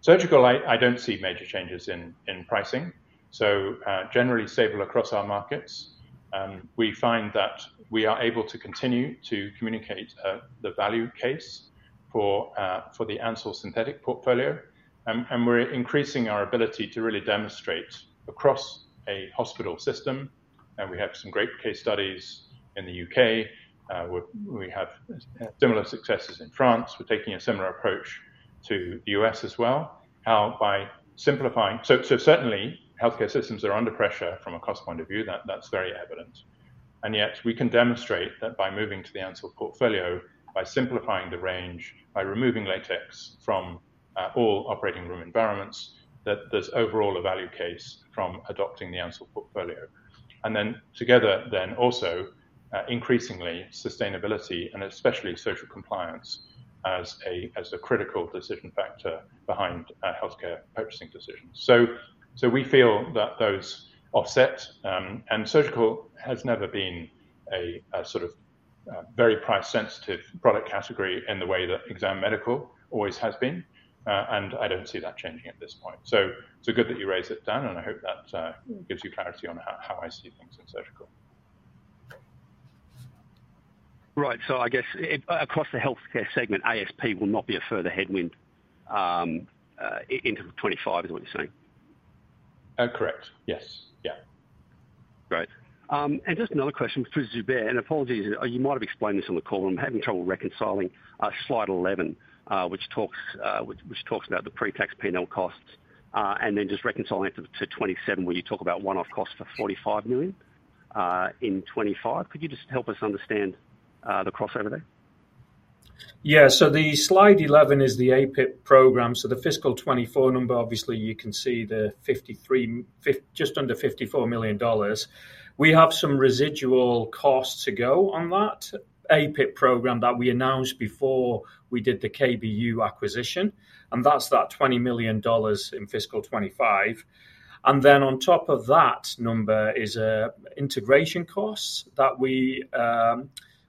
Surgical, I don't see major changes in pricing, so generally stable across our markets. We find that we are able to continue to communicate the value case for the Ansell synthetic portfolio. And we're increasing our ability to really demonstrate across a hospital system, and we have some great case studies in the UK, we have similar successes in France. We're taking a similar approach to the US as well, how by simplifying... So certainly, healthcare systems are under pressure from a cost point of view. That, that's very evident. And yet we can demonstrate that by moving to the Ansell portfolio, by simplifying the range, by removing latex from all operating room environments, that there's overall a value case from adopting the Ansell portfolio. And then together, also, increasingly, sustainability and especially social compliance as a critical decision factor behind healthcare purchasing decisions. So we feel that those offset, and surgical has never been a sort of very price sensitive product category in the way that exam medical always has been, and I don't see that changing at this point. So good that you raised it, Dan, and I hope that gives you clarity on how I see things in surgical. Right. So I guess across the healthcare segment, ASP will not be a further headwind into 2025, is what you're saying? Correct. Yes. Yeah. Great. And just another question for Zubair, and apologies, you might have explained this on the call. I'm having trouble reconciling slide 11, which talks about the pre-tax P&L costs, and then just reconciling to 27, where you talk about one-off costs for $45 million in 2025. Could you just help us understand the crossover there? Yeah. So the slide 11 is the APIP program. So the fiscal 2024 number, obviously, you can see the $53, just under $54 million. We have some residual costs to go on that APIP program that we announced before we did the KBU acquisition, and that's that $20 million in fiscal 2025. And then on top of that number is integration costs that we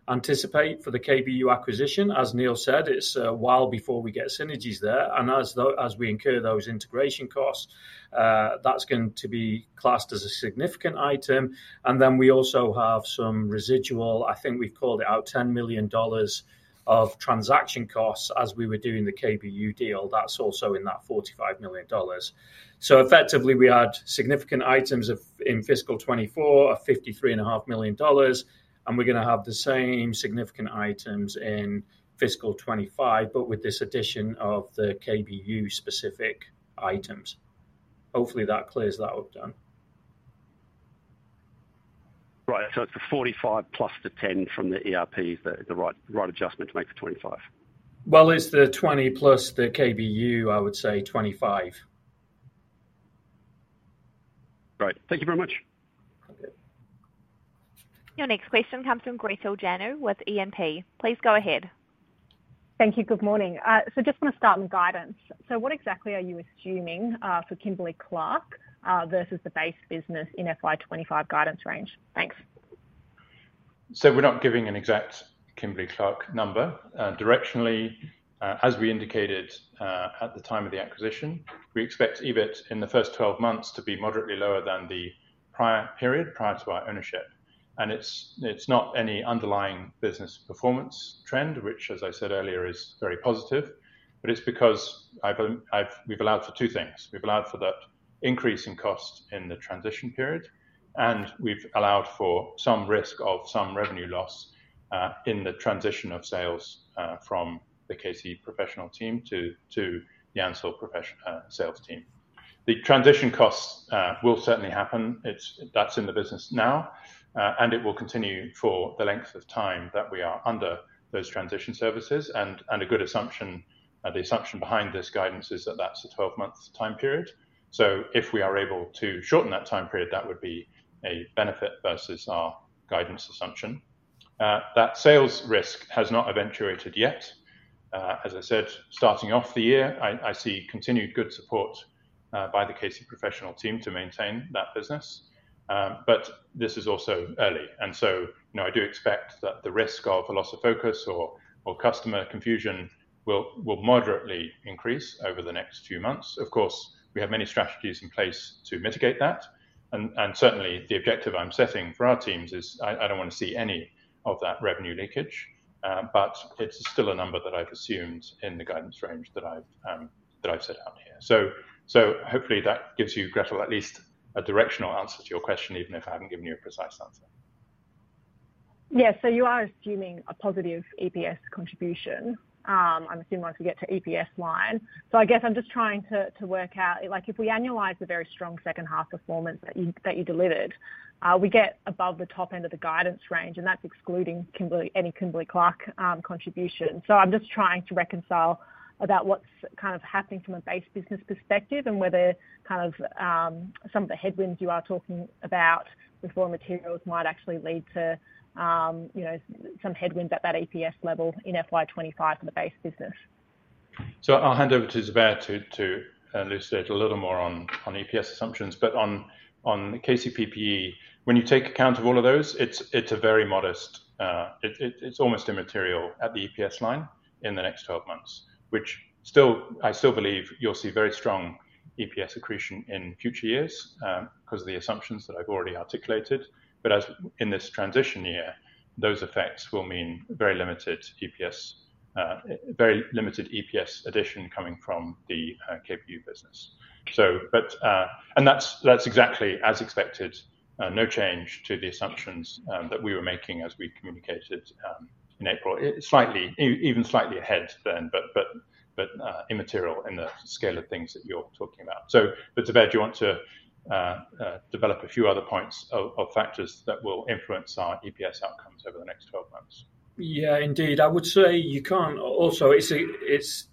anticipate for the KBU acquisition. As Neil said, it's a while before we get synergies there, and as we incur those integration costs, that's going to be classed as a significant item. And then we also have some residual, I think we've called it out, $10 million of transaction costs as we were doing the KBU deal. That's also in that $45 million. Effectively, we add significant items of, in fiscal 2024, $53.5 million, and we're gonna have the same significant items in fiscal 2025, but with this addition of the KBU specific items. Hopefully, that clears that up, Dan. Right. So it's the 45 plus the 10 from the ERP, the right adjustment to make for 25? It's the 20 plus the KBU, I would say 25. Great. Thank you very much. ... Your next question comes from Gretel Janu with E&P. Please go ahead. Thank you. Good morning. So just want to start with guidance. So what exactly are you assuming for Kimberly-Clark versus the base business in FY 2025 guidance range? Thanks. So we're not giving an exact Kimberly-Clark number. Directionally, as we indicated, at the time of the acquisition, we expect EBIT in the first twelve months to be moderately lower than the prior period, prior to our ownership. And it's not any underlying business performance trend, which, as I said earlier, is very positive, but it's because we've allowed for two things. We've allowed for that increase in cost in the transition period, and we've allowed for some risk of some revenue loss, in the transition of sales, from the K-C Professional team to the Ansell professional sales team. The transition costs will certainly happen. That's in the business now, and it will continue for the length of time that we are under those transition services. A good assumption, the assumption behind this guidance is that that's a twelve-month time period. So if we are able to shorten that time period, that would be a benefit versus our guidance assumption. That sales risk has not eventuated yet. As I said, starting off the year, I see continued good support by the K-C Professional team to maintain that business. But this is also early, and so, you know, I do expect that the risk of a loss of focus or customer confusion will moderately increase over the next few months. Of course, we have many strategies in place to mitigate that. Certainly the objective I'm setting for our teams is, I don't want to see any of that revenue leakage, but it's still a number that I've assumed in the guidance range that I've set out here. Hopefully that gives you, Gretel, at least a directional answer to your question, even if I haven't given you a precise answer. Yeah. So you are assuming a positive EPS contribution. I'm assuming once we get to EPS line. So I guess I'm just trying to work out, like if we annualize the very strong second half performance that you delivered, we get above the top end of the guidance range, and that's excluding any Kimberly-Clark contribution. So I'm just trying to reconcile about what's kind of happening from a base business perspective and whether kind of some of the headwinds you are talking about with raw materials might actually lead to, you know, some headwinds at that EPS level in FY 2025 for the base business. I'll hand over to Sylvain to elucidate a little more on EPS assumptions, but on KCPPE, when you take account of all of those, it's a very modest, it's almost immaterial at the EPS line in the next twelve months. Which, I still believe you'll see very strong EPS accretion in future years, because of the assumptions that I've already articulated. But as in this transition year, those effects will mean very limited EPS, very limited EPS addition coming from the KBU business. And that's exactly as expected, no change to the assumptions that we were making as we communicated in April. Slightly, even slightly ahead then, but immaterial in the scale of things that you're talking about. So but, Sylvain, do you want to develop a few other points of factors that will influence our EPS outcomes over the next twelve months? Yeah, indeed. I would say you can't. Also, it's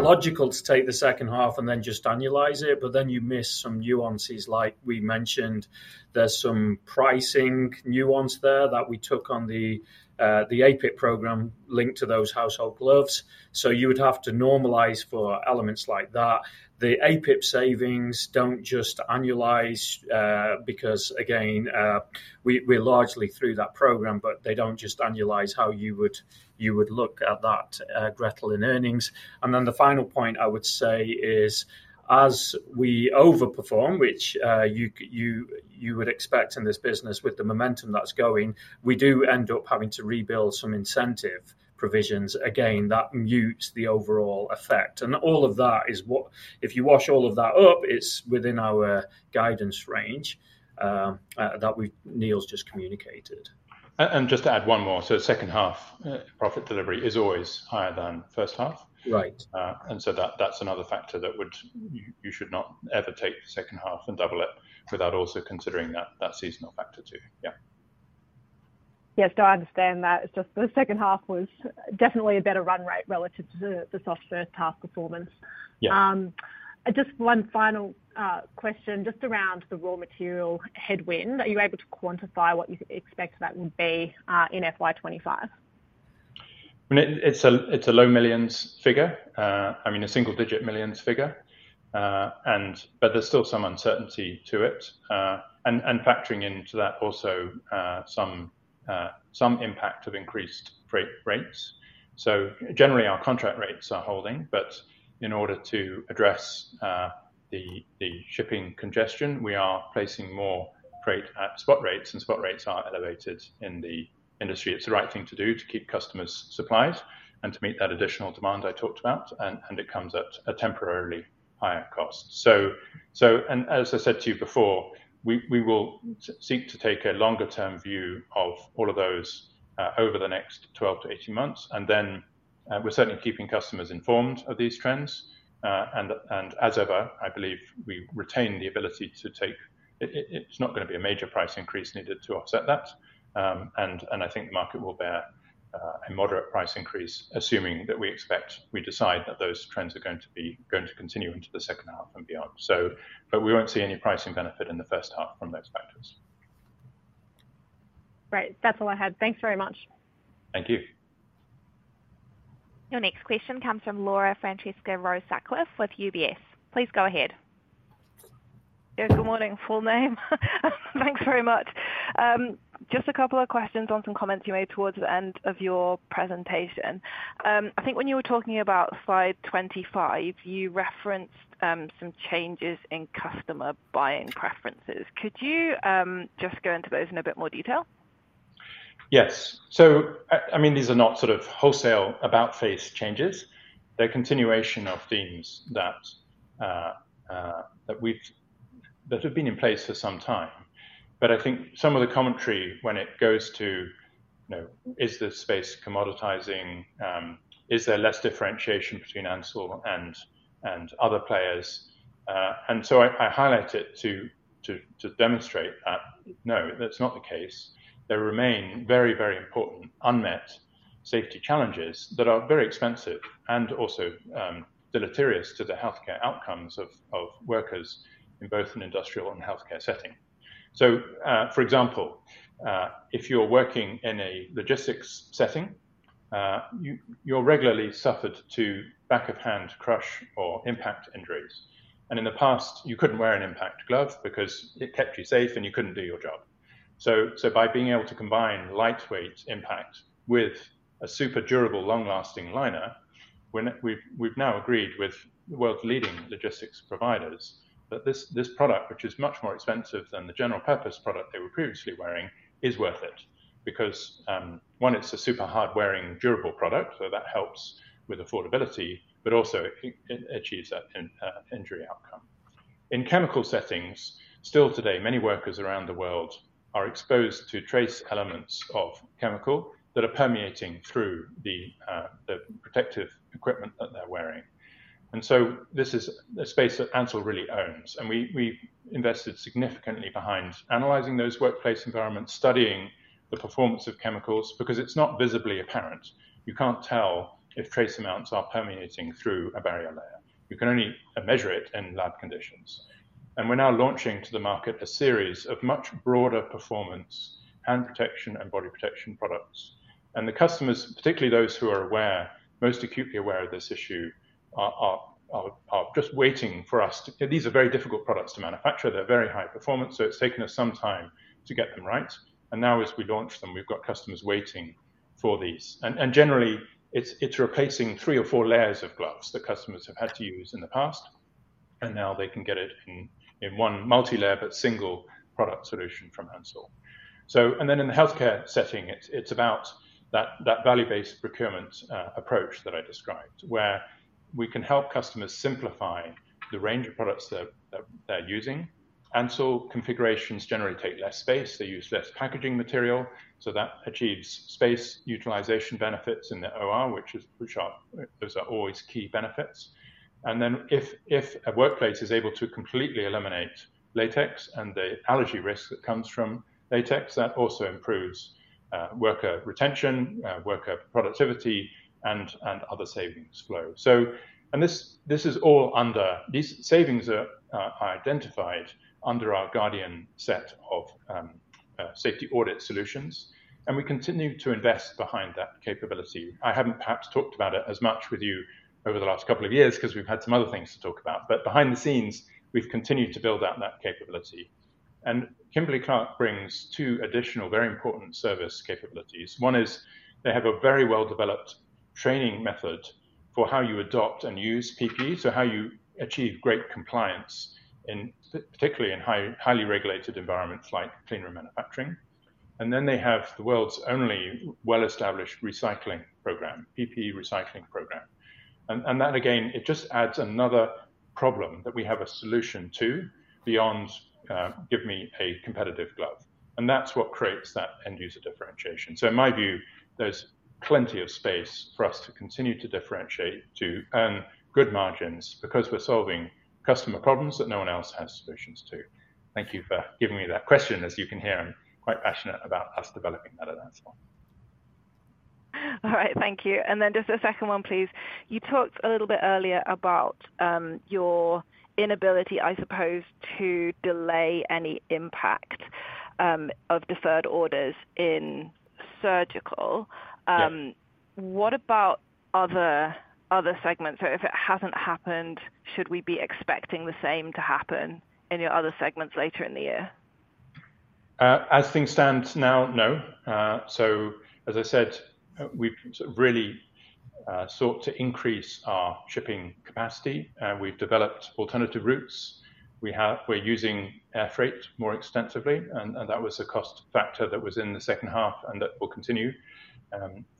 logical to take the second half and then just annualize it, but then you miss some nuances. Like we mentioned, there's some pricing nuance there that we took on the APIC program linked to those household gloves. So you would have to normalize for elements like that. The APIC savings don't just annualize because again, we're largely through that program, but they don't just annualize how you would look at that, Gretel, in earnings. Then the final point I would say is, as we overperform, which you would expect in this business with the momentum that's going, we do end up having to rebuild some incentive provisions again, that mutes the overall effect. All of that, if you add all of that up, it's within our guidance range that Neil's just communicated. And just to add one more. So second half, profit delivery is always higher than first half. Right. And so that, that's another factor that would... You should not ever take the second half and double it without also considering that seasonal factor, too. Yeah. Yes, I understand that. It's just the second half was definitely a better run rate relative to the soft first half performance. Yeah. Just one final question, just around the raw material headwind. Are you able to quantify what you expect that would be in FY 2025? I mean, it's a low millions figure. I mean, a single digit millions figure. But there's still some uncertainty to it. And factoring into that also, some impact of increased freight rates. So generally, our contract rates are holding, but in order to address the shipping congestion, we are placing more freight at spot rates, and spot rates are elevated in the industry. It's the right thing to do to keep customers supplied and to meet that additional demand I talked about, and it comes at a temporarily higher cost. So and as I said to you before, we will seek to take a longer term view of all of those over the next twelve to eighteen months, and then we're certainly keeping customers informed of these trends. And as ever, I believe we retain the ability to take. It's not gonna be a major price increase needed to offset that. And I think the market will bear a moderate price increase, assuming that we expect, we decide that those trends are going to continue into the second half and beyond. But we won't see any pricing benefit in the first half from those factors.... Great. That's all I had. Thanks very much. Thank you. Your next question comes from Laura Francesca Rose Sutcliffe with UBS. Please go ahead. Yeah, good morning, everyone. Thanks very much. Just a couple of questions on some comments you made towards the end of your presentation. I think when you were talking about slide 25, you referenced some changes in customer buying preferences. Could you just go into those in a bit more detail? Yes. So, I mean, these are not sort of wholesale about face changes. They're continuation of themes that have been in place for some time. But I think some of the commentary when it goes to, you know, is this space commoditizing, is there less differentiation between Ansell and other players? And so I highlight it to demonstrate that, no, that's not the case. There remain very, very important unmet safety challenges that are very expensive and also, deleterious to the healthcare outcomes of workers in both an industrial and healthcare setting. For example, if you're working in a logistics setting, you're regularly subject to back of hand crush or impact injuries, and in the past you couldn't wear an impact glove because it kept you safe and you couldn't do your job. By being able to combine lightweight impact with a super durable, long-lasting liner, we've now agreed with world-leading logistics providers that this product, which is much more expensive than the general purpose product they were previously wearing, is worth it. Because one, it's a super hard-wearing, durable product, so that helps with affordability, but also it achieves that injury outcome. In chemical settings, still today, many workers around the world are exposed to trace elements of chemicals that are permeating through the protective equipment that they're wearing. And so this is a space that Ansell really owns, and we, we've invested significantly behind analyzing those workplace environments, studying the performance of chemicals, because it's not visibly apparent. You can't tell if trace amounts are permeating through a barrier layer. You can only measure it in lab conditions. And we're now launching to the market a series of much broader performance, hand protection, and body protection products. And the customers, particularly those who are aware, most acutely aware of this issue, are just waiting for us to... These are very difficult products to manufacture. They're very high performance, so it's taken us some time to get them right. And now as we launch them, we've got customers waiting for these. Generally, it's replacing three or four layers of gloves that customers have had to use in the past, and now they can get it in one multi-layer, but single product solution from Ansell. Then in the healthcare setting, it's about that value-based procurement approach that I described, where we can help customers simplify the range of products that they're using. Ansell configurations generally take less space, they use less packaging material, so that achieves space utilization benefits in the OR, which are always key benefits. Then if a workplace is able to completely eliminate latex and the allergy risk that comes from latex, that also improves worker retention, worker productivity, and other savings flow. This is all under these savings are identified under our Guardian set of safety audit solutions, and we continue to invest behind that capability. I haven't perhaps talked about it as much with you over the last couple of years, 'cause we've had some other things to talk about, but behind the scenes we've continued to build out that capability. And Kimberly-Clark brings two additional very important service capabilities. One is they have a very well-developed training method for how you adopt and use PPE, so how you achieve great compliance in particularly highly regulated environments like clean room manufacturing. And then they have the world's only well-established recycling program, PPE recycling program. And that again, it just adds another problem that we have a solution to beyond, "Give me a competitive glove." And that's what creates that end user differentiation. So in my view, there's plenty of space for us to continue to differentiate, to earn good margins, because we're solving customer problems that no one else has solutions to. Thank you for giving me that question. As you can hear, I'm quite passionate about us developing that at Ansell. All right, thank you. And then just a second one, please. You talked a little bit earlier about your inability, I suppose, to delay any impact of deferred orders in surgical. Yeah. What about other segments? So if it hasn't happened, should we be expecting the same to happen in your other segments later in the year? As things stand now, no, so as I said, we've sort of really sought to increase our shipping capacity, and we've developed alternative routes. We have. We're using air freight more extensively, and that was a cost factor that was in the second half, and that will continue,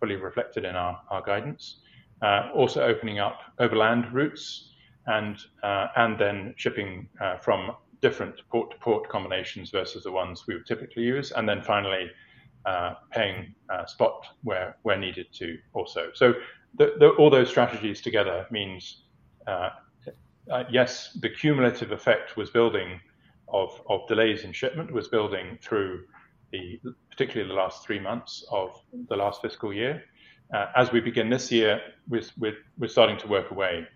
fully reflected in our guidance. Also opening up overland routes and then shipping from different port-to-port combinations versus the ones we would typically use. And then finally, paying spot where needed to also. So all those strategies together means yes, the cumulative effect was building of delays in shipment, was building through the, particularly the last three months of the last fiscal year. As we begin this year, we're starting to work away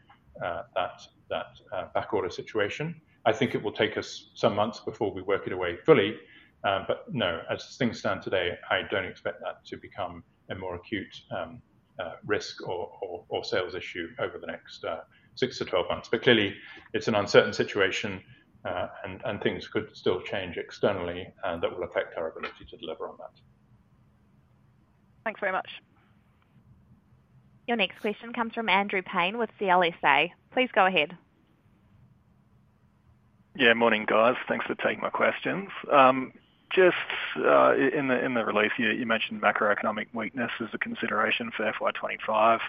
at that backorder situation. I think it will take us some months before we work it away fully. But no, as things stand today, I don't expect that to become a more acute risk or sales issue over the next six to 12 months. But clearly, it's an uncertain situation, and things could still change externally, and that will affect our ability to deliver on that. Thanks very much. Your next question comes from Andrew Paine with CLSA. Please go ahead. Yeah, morning, guys. Thanks for taking my questions. Just, in the release, you mentioned macroeconomic weakness as a consideration for FY twenty-five.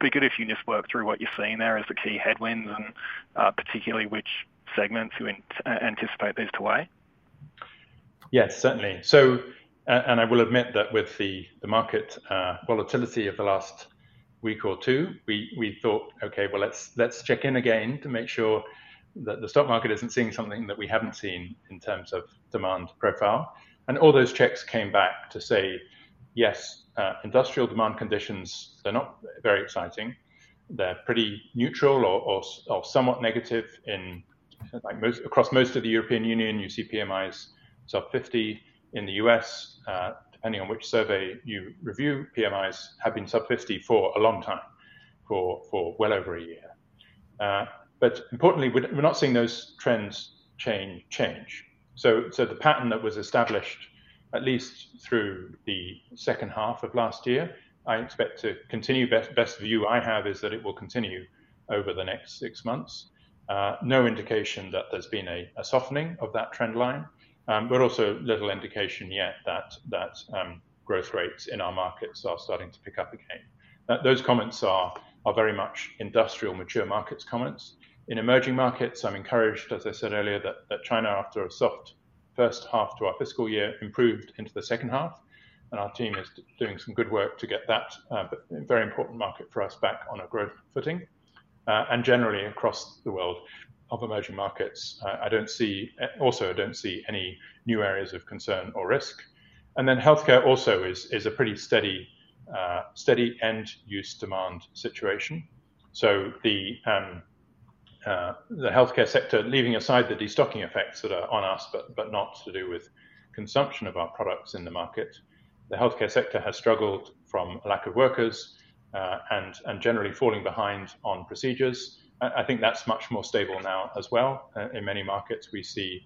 Be good if you just work through what you're seeing there as the key headwinds and, particularly which segments you anticipate these to weigh? Yes, certainly. So, and I will admit that with the market volatility of the last week or two, we thought, "Okay, well, let's check in again to make sure that the stock market isn't seeing something that we haven't seen in terms of demand profile," and all those checks came back to say, "Yes, industrial demand conditions, they're not very exciting. They're pretty neutral or somewhat negative in..." Like most across most of the European Union, you see PMIs sub 50. In the U.S., depending on which survey you review, PMIs have been sub 50 for a long time, for well over a year, but importantly, we're not seeing those trends change, so the pattern that was established at least through the second half of last year, I expect to continue. Best view I have is that it will continue over the next six months. No indication that there's been a softening of that trend line, but also little indication yet that growth rates in our markets are starting to pick up again. Now, those comments are very much industrial mature markets comments. In emerging markets, I'm encouraged, as I said earlier, that China, after a soft first half to our fiscal year, improved into the second half, and our team is doing some good work to get that but very important market for us back on a growth footing. And generally across the world of emerging markets, also, I don't see any new areas of concern or risk. And then healthcare also is a pretty steady end-use demand situation. So the healthcare sector, leaving aside the destocking effects that are on us, but not to do with consumption of our products in the market, the healthcare sector has struggled from a lack of workers and generally falling behind on procedures. I think that's much more stable now as well. In many markets, we see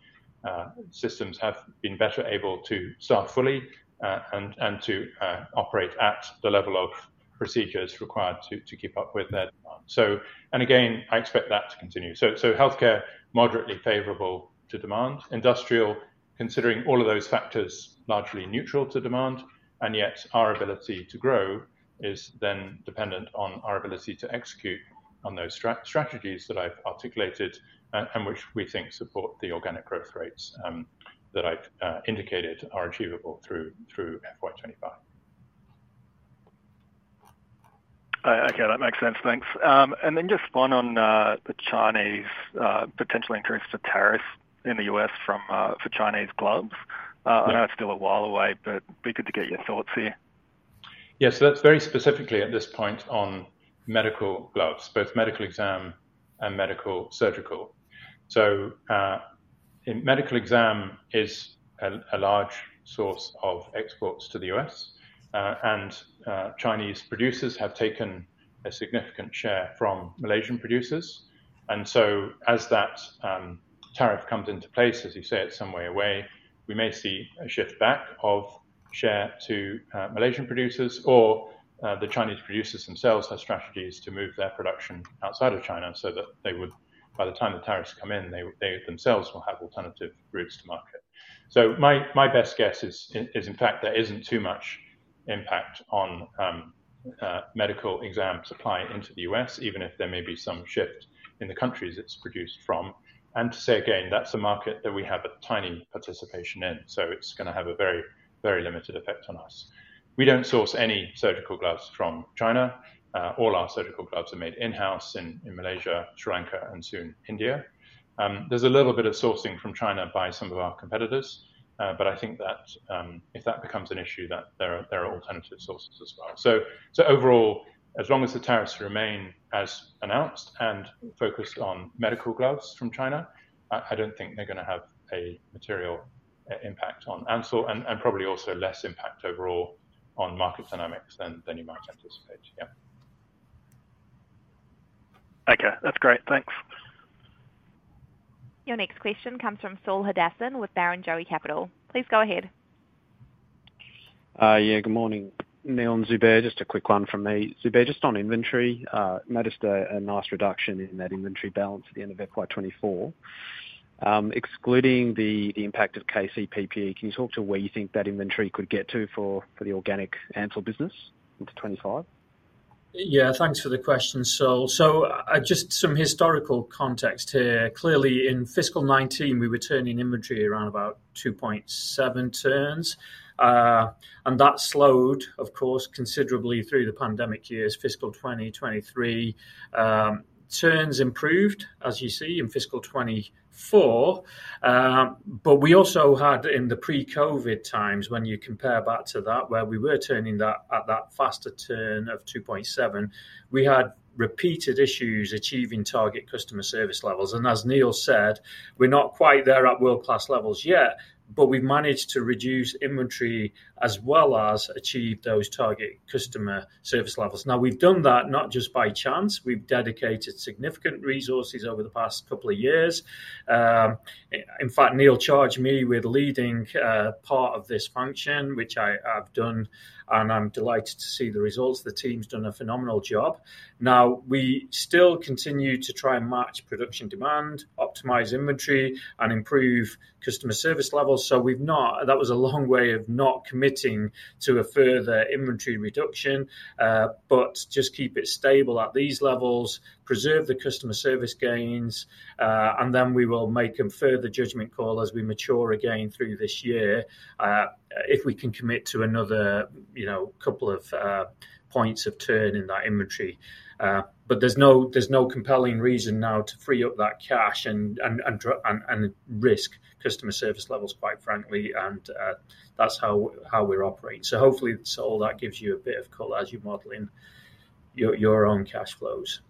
systems have been better able to start fully and to operate at the level of procedures required to keep up with their demand. So, and again, I expect that to continue. So healthcare, moderately favorable to demand. Industrial, considering all of those factors, largely neutral to demand, and yet our ability to grow is then dependent on our ability to execute on those strategies that I've articulated and which we think support the organic growth rates that I've indicated are achievable through FY twenty-five. Okay, that makes sense. Thanks, and then just one on the Chinese potential increase to tariffs in the U.S. from for Chinese gloves. Yeah. I know it's still a while away, but be good to get your thoughts here. Yes, so that's very specifically at this point on medical gloves, both medical exam and medical surgical. So, in medical exam is a large source of exports to the U.S., and Chinese producers have taken a significant share from Malaysian producers. And so as that tariff comes into place, as you say, it's some way away, we may see a shift back of share to Malaysian producers, or the Chinese producers themselves have strategies to move their production outside of China so that they would, by the time the tariffs come in, they would, they themselves will have alternative routes to market. So my best guess is in fact, there isn't too much impact on medical exam supply into the U.S., even if there may be some shift in the countries it's produced from. And to say again, that's a market that we have a tiny participation in, so it's gonna have a very, very limited effect on us. We don't source any surgical gloves from China. All our surgical gloves are made in-house in Malaysia, Sri Lanka, and soon India. There's a little bit of sourcing from China by some of our competitors, but I think that if that becomes an issue, that there are alternative sources as well. So overall, as long as the tariffs remain as announced and focused on medical gloves from China, I don't think they're gonna have a material impact on Ansell and probably also less impact overall on market dynamics than you might anticipate. Yeah. Okay, that's great. Thanks. Your next question comes from Saul Hadassin with Barrenjoey. Please go ahead. Yeah, good morning, Neil and Zubair. Just a quick one from me. Zubair, just on inventory, noticed a nice reduction in that inventory balance at the end of FY 2024. Excluding the impact of KCPPE, can you talk to where you think that inventory could get to for the organic Ansell business into 2025?... Yeah, thanks for the question, Saul. So, just some historical context here. Clearly, in fiscal 2019, we were turning inventory around about two point seven turns. And that slowed, of course, considerably through the pandemic years, fiscal 2023. Turns improved, as you see, in fiscal 2024. But we also had in the pre-COVID times, when you compare back to that, where we were turning that at that faster turn of two point seven, we had repeated issues achieving target customer service levels. And as Neil said, we're not quite there at world-class levels yet, but we've managed to reduce inventory as well as achieve those target customer service levels. Now, we've done that not just by chance. We've dedicated significant resources over the past couple of years. In fact, Neil charged me with leading part of this function, which I've done, and I'm delighted to see the results. The team's done a phenomenal job. Now, we still continue to try and match production demand, optimize inventory, and improve customer service levels. That was a long way of not committing to a further inventory reduction, but just keep it stable at these levels, preserve the customer service gains, and then we will make a further judgment call as we mature again through this year, if we can commit to another, you know, couple of points of turn in that inventory. But there's no compelling reason now to free up that cash and risk customer service levels, quite frankly, and that's how we're operating. So hopefully all that gives you a bit of color as you're modeling your own cash flows.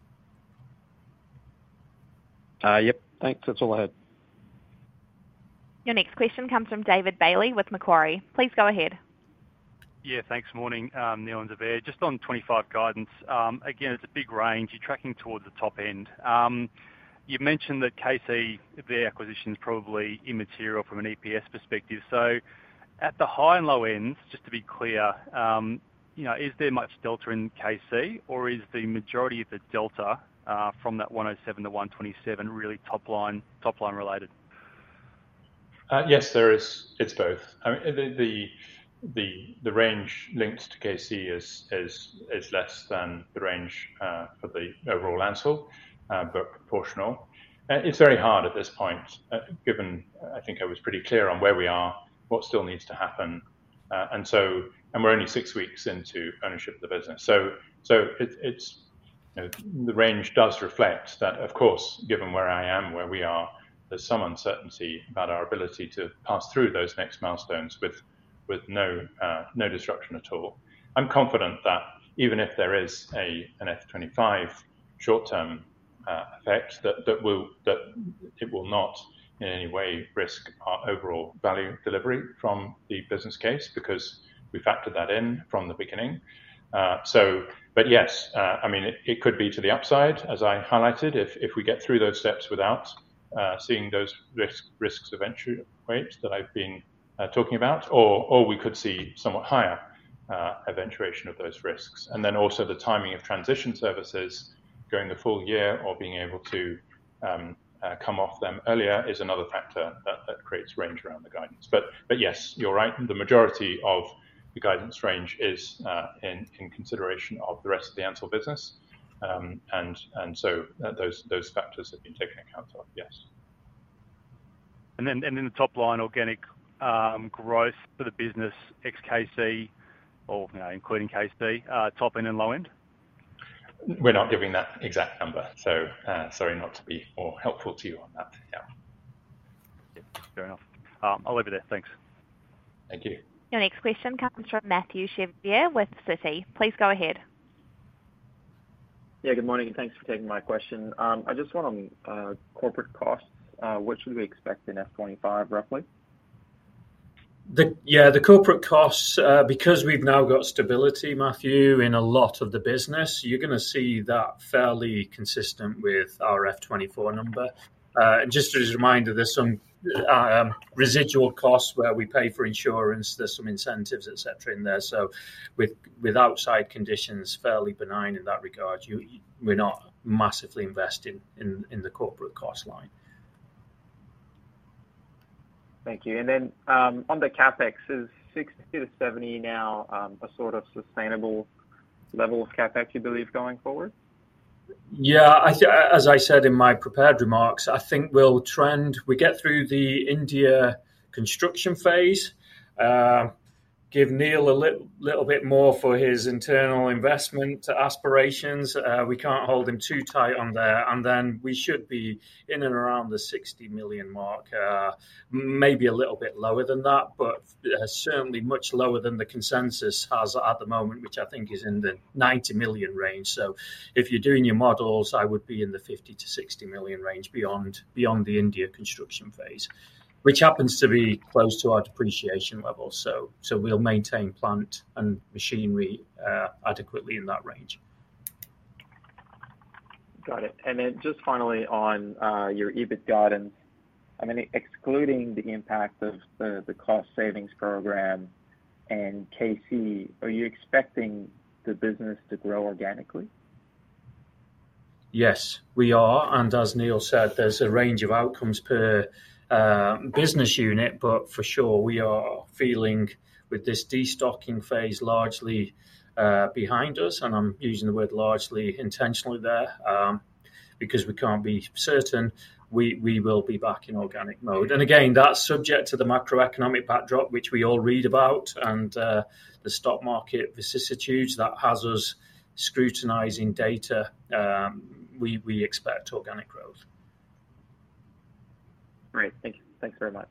Yep. Thanks. That's all I had. Your next question comes from David Bailey with Macquarie. Please go ahead. Yeah, thanks. Morning, Neil and Zubair. Just on 2025 guidance, again, it's a big range. You're tracking towards the top end. You've mentioned that KC, the acquisition is probably immaterial from an EPS perspective. So at the high and low ends, just to be clear, you know, is there much delta in KC, or is the majority of the delta, from that 107 to 127, really top line, top line related? Yes, there is. It's both. I mean, the range linked to KC is less than the range for the overall Ansell, but proportional. It's very hard at this point, given I think I was pretty clear on where we are, what still needs to happen, and so. We're only six weeks into ownership of the business. So it is, you know, the range does reflect that, of course, given where I am, where we are, there's some uncertainty about our ability to pass through those next milestones with no disruption at all. I'm confident that even if there is an FY25 short-term effect, that it will not in any way risk our overall value delivery from the business case, because we factored that in from the beginning. So, but yes, I mean, it could be to the upside, as I highlighted, if we get through those steps without seeing those risks eventuate that I've been talking about, or we could see somewhat higher eventuation of those risks. And then also the timing of transition services going the full year or being able to come off them earlier is another factor that creates range around the guidance, but yes, you're right, the majority of the guidance range is in consideration of the rest of the Ansell business. And so those factors have been taken account of, yes. Then the top line organic growth for the business, ex KC or, you know, including KC, top end and low end? We're not giving that exact number, so, sorry, not to be more helpful to you on that. Yeah. Yeah, fair enough. I'll leave it there. Thanks. Thank you. Your next question comes from Mathieu Chevrier with Citi. Please go ahead. Yeah, good morning, and thanks for taking my question. I just want on corporate costs. What should we expect in FY 2025, roughly? Yeah, the corporate costs, because we've now got stability, Matthew, in a lot of the business, you're gonna see that fairly consistent with our FY 2024 number. And just as a reminder, there's some residual costs where we pay for insurance, there's some incentives, et cetera, in there. So with outside conditions, fairly benign in that regard, we're not massively investing in the corporate cost line. Thank you. And then, on the CapEx, is 60-70 now, a sort of sustainable level of CapEx, you believe, going forward? Yeah, I, as I said in my prepared remarks, I think we'll trend. We get through the India construction phase, give Neil a little bit more for his internal investment aspirations. We can't hold him too tight on there, and then we should be in and around the $60 million mark. Maybe a little bit lower than that, but certainly much lower than the consensus has at the moment, which I think is in the $90 million range. So if you're doing your models, I would be in the $50-$60 million range beyond the India construction phase, which happens to be close to our depreciation level. So we'll maintain plant and machinery adequately in that range. Got it. And then just finally on your EBIT guidance, I mean, excluding the impact of the cost savings program and KC, are you expecting the business to grow organically? Yes, we are, and as Neil said, there's a range of outcomes per business unit, but for sure, we are feeling with this destocking phase largely behind us, and I'm using the word largely intentionally there, because we can't be certain we will be back in organic mode. And again, that's subject to the macroeconomic backdrop, which we all read about, and the stock market vicissitudes that has us scrutinizing data, we expect organic growth. Great. Thank you. Thanks very much.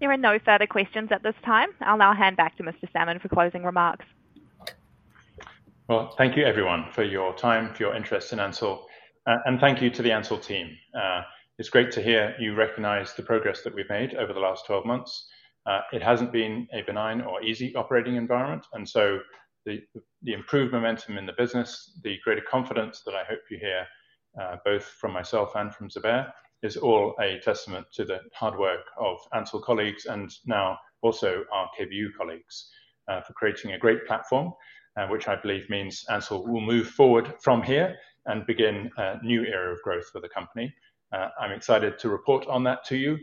There are no further questions at this time. I'll now hand back to Mr. Salmon for closing remarks. Thank you everyone for your time, for your interest in Ansell, and thank you to the Ansell team. It's great to hear you recognize the progress that we've made over the last twelve months. It hasn't been a benign or easy operating environment, and so the improved momentum in the business, the greater confidence that I hope you hear, both from myself and from Zubair, is all a testament to the hard work of Ansell colleagues and now also our KBU colleagues, for creating a great platform, which I believe means Ansell will move forward from here and begin a new era of growth for the company. I'm excited to report on that to you,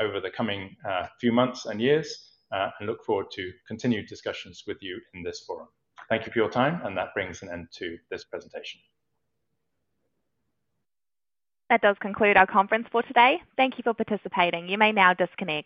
over the coming few months and years, and look forward to continued discussions with you in this forum. Thank you for your time, and that brings an end to this presentation. That does conclude our conference for today. Thank you for participating. You may now disconnect.